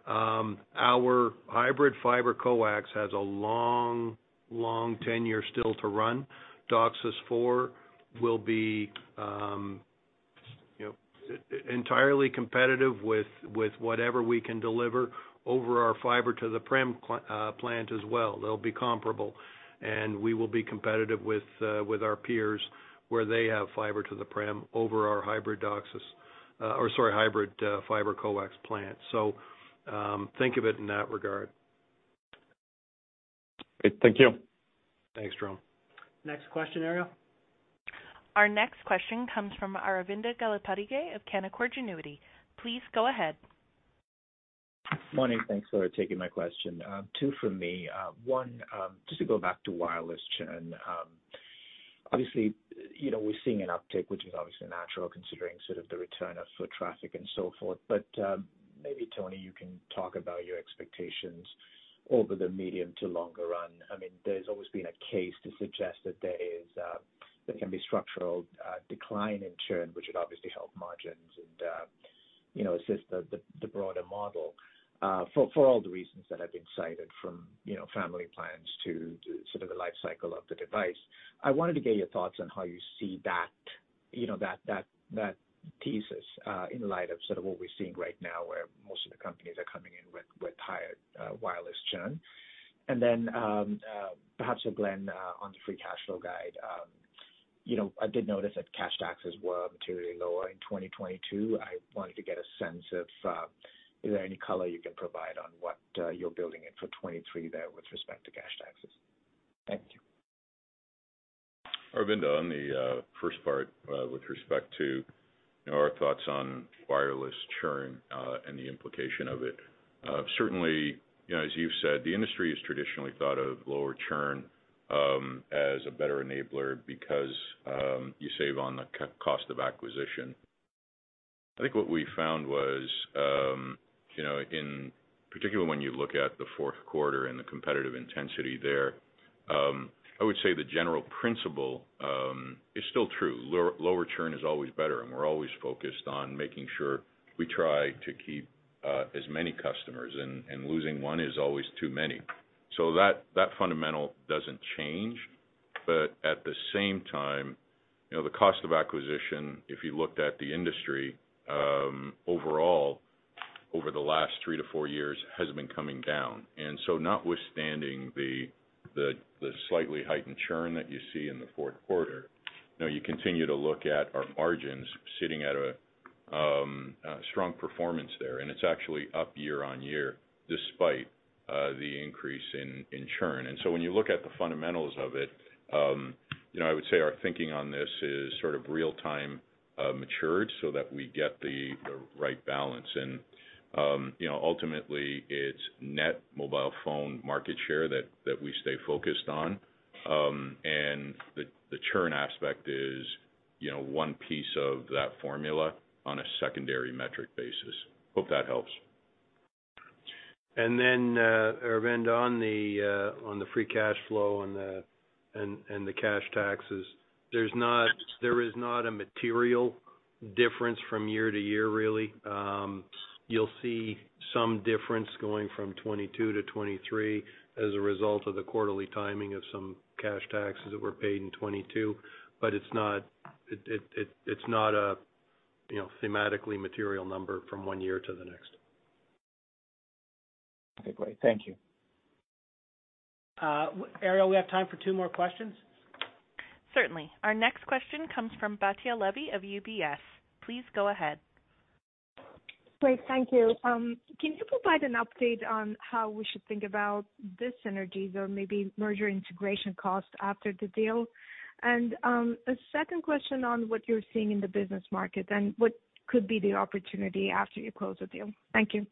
Our Hybrid Fiber Coax has a long, long tenure still to run. DOCSIS 4.0 will be, you know, entirely competitive with whatever we can deliver over our Fiber to the Prem plant as well. They'll be comparable, and we will be competitive with our peers where they have Fiber to the Prem over our Hybrid DOCSIS, or sorry, Hybrid Fiber Coax plant. Think of it in that regard. Great. Thank you. Thanks, Jérome. Next question, Ariel. Our next question comes from Aravinda Galappatthige of Canaccord Genuity. Please go ahead. Morning. Thanks for taking my question. Two from me. One, just to go back to wireless churn. Obviously, you know, we're seeing an uptick, which is obviously natural considering sort of the return of foot traffic and so forth. Maybe Tony, you can talk about your expectations over the medium to longer run. I mean, there's always been a case to suggest that there is, there can be structural, decline in churn, which would obviously help margins and, you know, assist the broader model, for all the reasons that have been cited from, you know, family plans to sort of the life cycle of the device. I wanted to get your thoughts on how you see that, you know, that thesis, in light of sort of what we're seeing right now, where most of the companies are coming in with higher wireless churn. Perhaps for Glenn, on the free cash flow guide. You know, I did notice that cash taxes were materially lower in 2022. I wanted to get a sense of, is there any color you can provide on what you're building in for 2023 there with respect to cash taxes? Thank you. Aravinda, on the first part, with respect to our thoughts on wireless churn, and the implication of it. Certainly, you know, as you've said, the industry has traditionally thought of lower churn as a better enabler because you save on the cost of acquisition. I think what we found was, you know, in particular, when you look at the fourth quarter and the competitive intensity there, I would say the general principle is still true. Lower churn is always better, and we're always focused on making sure we try to keep as many customers and losing one is always too many. That fundamental doesn't change. At the same time, you know, the cost of acquisition, if you looked at the industry, overall, over the last three to four years, has been coming down. Notwithstanding the slightly heightened churn that you see in the fourth quarter, you know, you continue to look at our margins sitting at a strong performance there, and it's actually up year-on-year despite the increase in churn. When you look at the fundamentals of it, you know, I would say our thinking on this is sort of real-time matured so that we get the right balance. You know, ultimately, it's net mobile phone market share that we stay focused on. The churn aspect is, you know, one piece of that formula on a secondary metric basis. Hope that helps. Aravinda, on the free cash flow and the cash taxes, there is not a material difference from year to year, really. You'll see some difference going from 2022 to 2023 as a result of the quarterly timing of some cash taxes that were paid in 2022. It's not a, you know, thematically material number from one year to the next. Okay, great. Thank you. Ariel, we have time for two more questions. Certainly. Our next question comes from Batya Levi of UBS. Please go ahead. Great, thank you. Can you provide an update on how we should think about the synergies or maybe merger integration cost after the deal? A second question on what you're seeing in the business market and what could be the opportunity after you close the deal. Thank you.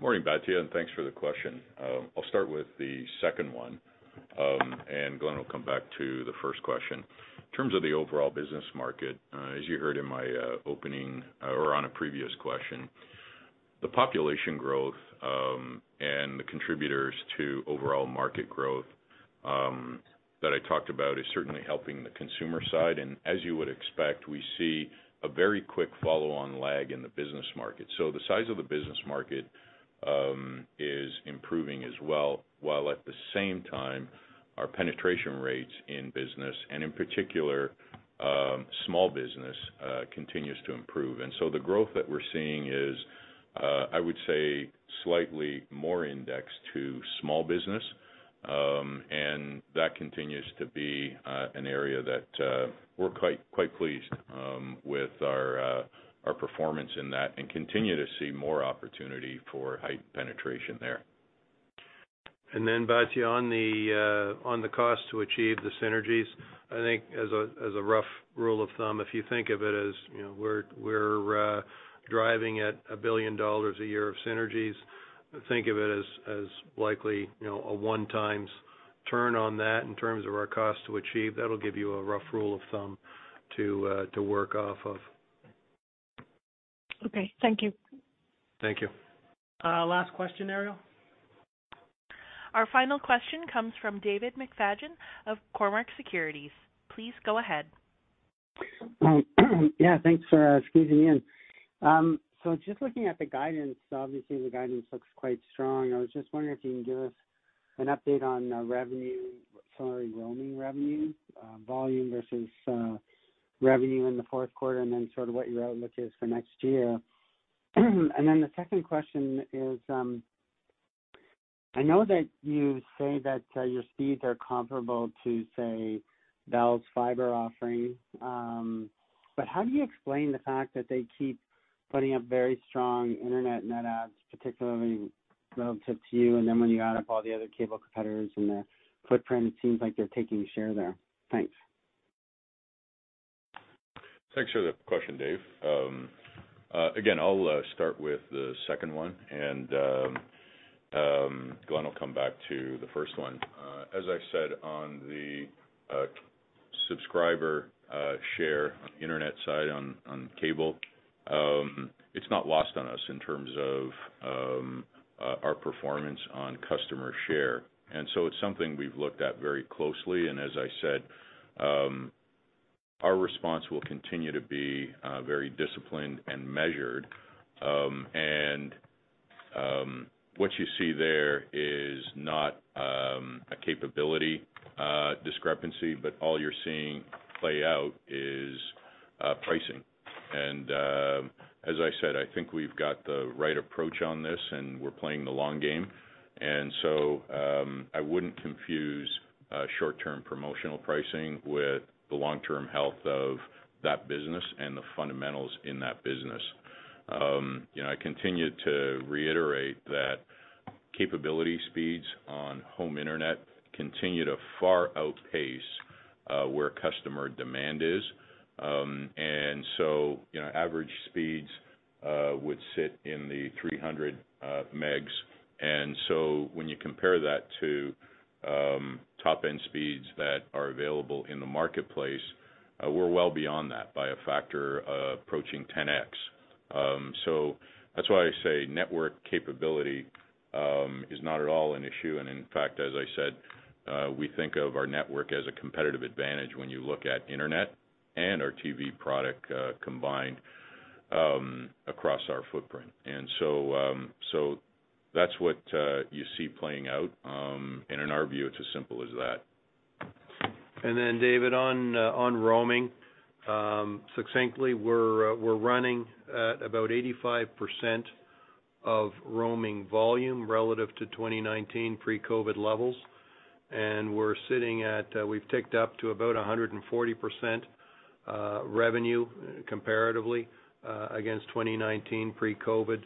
Morning, Batya, thanks for the question. I'll start with the second one, and Glenn will come back to the first question. In terms of the overall business market, as you heard in my opening or on a previous question, the population growth, and the contributors to overall market growth, that I talked about is certainly helping the consumer side. As you would expect, we see a very quick follow-on lag in the business market. The size of the business market is improving as well, while at the same time our penetration rates in business and in particular, small business, continues to improve. The growth that we're seeing is, I would say slightly more indexed to small business, and that continues to be an area that we're quite pleased with our performance in that and continue to see more opportunity for height penetration there. Batya, on the on the cost to achieve the synergies, I think as a, as a rough rule of thumb, if you think of it as, you know, we're driving at a billion dollars a year of synergies, think of it as likely, you know, a one times turn on that in terms of our cost to achieve. That'll give you a rough rule of thumb to to work off of. Okay. Thank you. Thank you. Last question, Ariel. Our final question comes from David McFadgen of Cormark Securities. Please go ahead. Yeah, thanks for squeezing me in. Just looking at the guidance, obviously the guidance looks quite strong. I was just wondering if you can give us an update on roaming revenue, volume versus revenue in the fourth quarter, and then sort of what your outlook is for next year? The second question is, I know that you say that your speeds are comparable to, say, Bell's fiber offering, how do you explain the fact that they keep putting up very strong Internet net adds, particularly relative to you, and then when you add up all the other cable competitors in the footprint, it seems like they're taking share there? Thanks. Thanks for the question, Dave. Again, I'll start with the second one, and Glenn will come back to the first one. As I said on the subscriber share on the internet side on cable, it's not lost on us in terms of our performance on customer share. It's something we've looked at very closely, and as I said, our response will continue to be very disciplined and measured. What you see there is not a capability discrepancy, but all you're seeing play out is pricing. As I said, I think we've got the right approach on this, and we're playing the long game. I wouldn't confuse short-term promotional pricing with the long-term health of that business and the fundamentals in that business. You know, I continue to reiterate that capability speeds on home Internet continue to far outpace where customer demand is. You know, average speeds would sit in the 300 megs. When you compare that to top-end speeds that are available in the marketplace, we're well beyond that by a factor of approaching 10x. That's why I say network capability is not at all an issue. In fact, as I said, we think of our network as a competitive advantage when you look at Internet and our TV product combined across our footprint. So, so that's what you see playing out. In our view, it's as simple as that. David, on roaming, succinctly, we're running at about 85% of roaming volume relative to 2019 pre-COVID levels. We're sitting at, we've ticked up to about 140% revenue comparatively against 2019 pre-COVID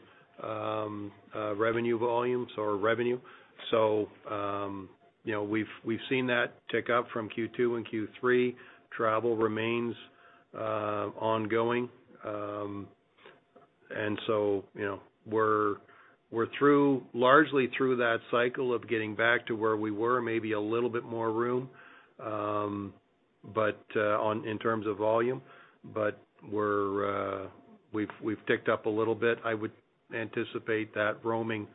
revenue volumes or revenue. You know, we've seen that tick up from Q2 and Q3. Travel remains ongoing. You know, we're largely through that cycle of getting back to where we were, maybe a little bit more room in terms of volume. But we've ticked up a little bit. I would anticipate that roaming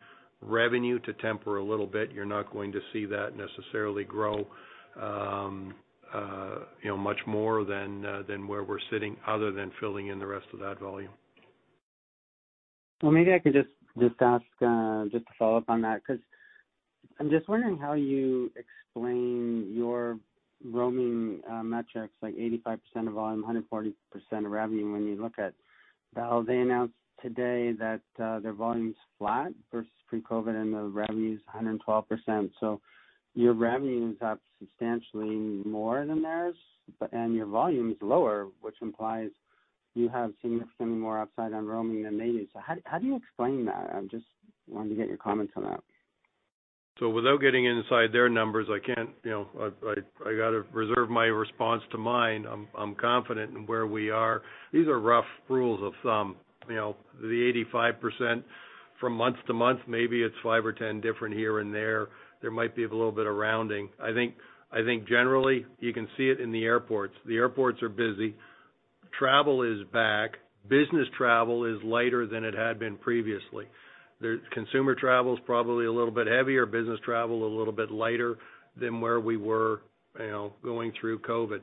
revenue to temper a little bit. You're not going to see that necessarily grow, you know, much more than where we're sitting other than filling in the rest of that volume. Well, maybe I could just ask, just to follow up on that, 'cause I'm just wondering how you explain your roaming metrics, like 85% of volume, 140% of revenue when you look at Bell. They announced today that their volume's flat versus pre-COVID, and the revenue is 112%. Your revenue is up substantially more than theirs, and your volume is lower, which implies you have significantly more upside on roaming than they do. How do you explain that? I'm just wanting to get your comments on that. Without getting inside their numbers, I can't, you know, I gotta reserve my response to mine. I'm confident in where we are. These are rough rules of thumb. You know, the 85% from month-to-month, maybe it's five or 10 different here and there. There might be a little bit of rounding. I think generally, you can see it in the airports. The airports are busy. Travel is back. Business travel is lighter than it had been previously. Consumer travel is probably a little bit heavier, business travel a little bit lighter than where we were, you know, going through COVID.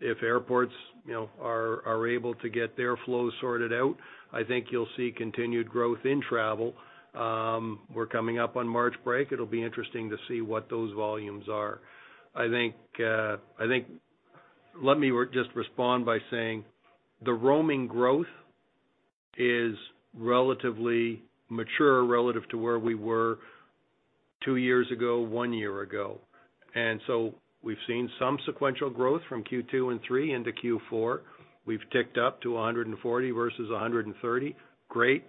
If airports, you know, are able to get their flow sorted out, I think you'll see continued growth in travel. We're coming up on March break. It'll be interesting to see what those volumes are. I think let me just respond by saying the roaming growth is relatively mature relative to where we were two years ago, one year ago. We've seen some sequential growth from Q2 and Q3 into Q4. We've ticked up to 140 versus 130. Great.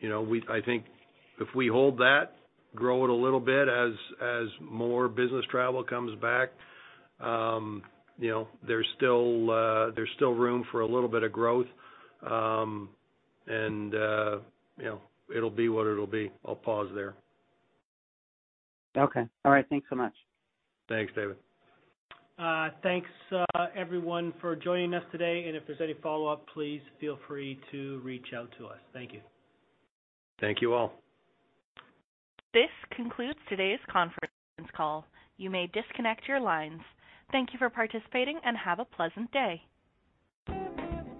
You know, I think if we hold that, grow it a little bit as more business travel comes back, you know, there's still room for a little bit of growth. You know, it'll be what it'll be. I'll pause there. Okay. All right. Thanks so much. Thanks, David. Thanks, everyone for joining us today. If there's any follow-up, please feel free to reach out to us. Thank you. Thank you all. This concludes today's conference call. You may disconnect your lines. Thank you for participating, and have a pleasant day.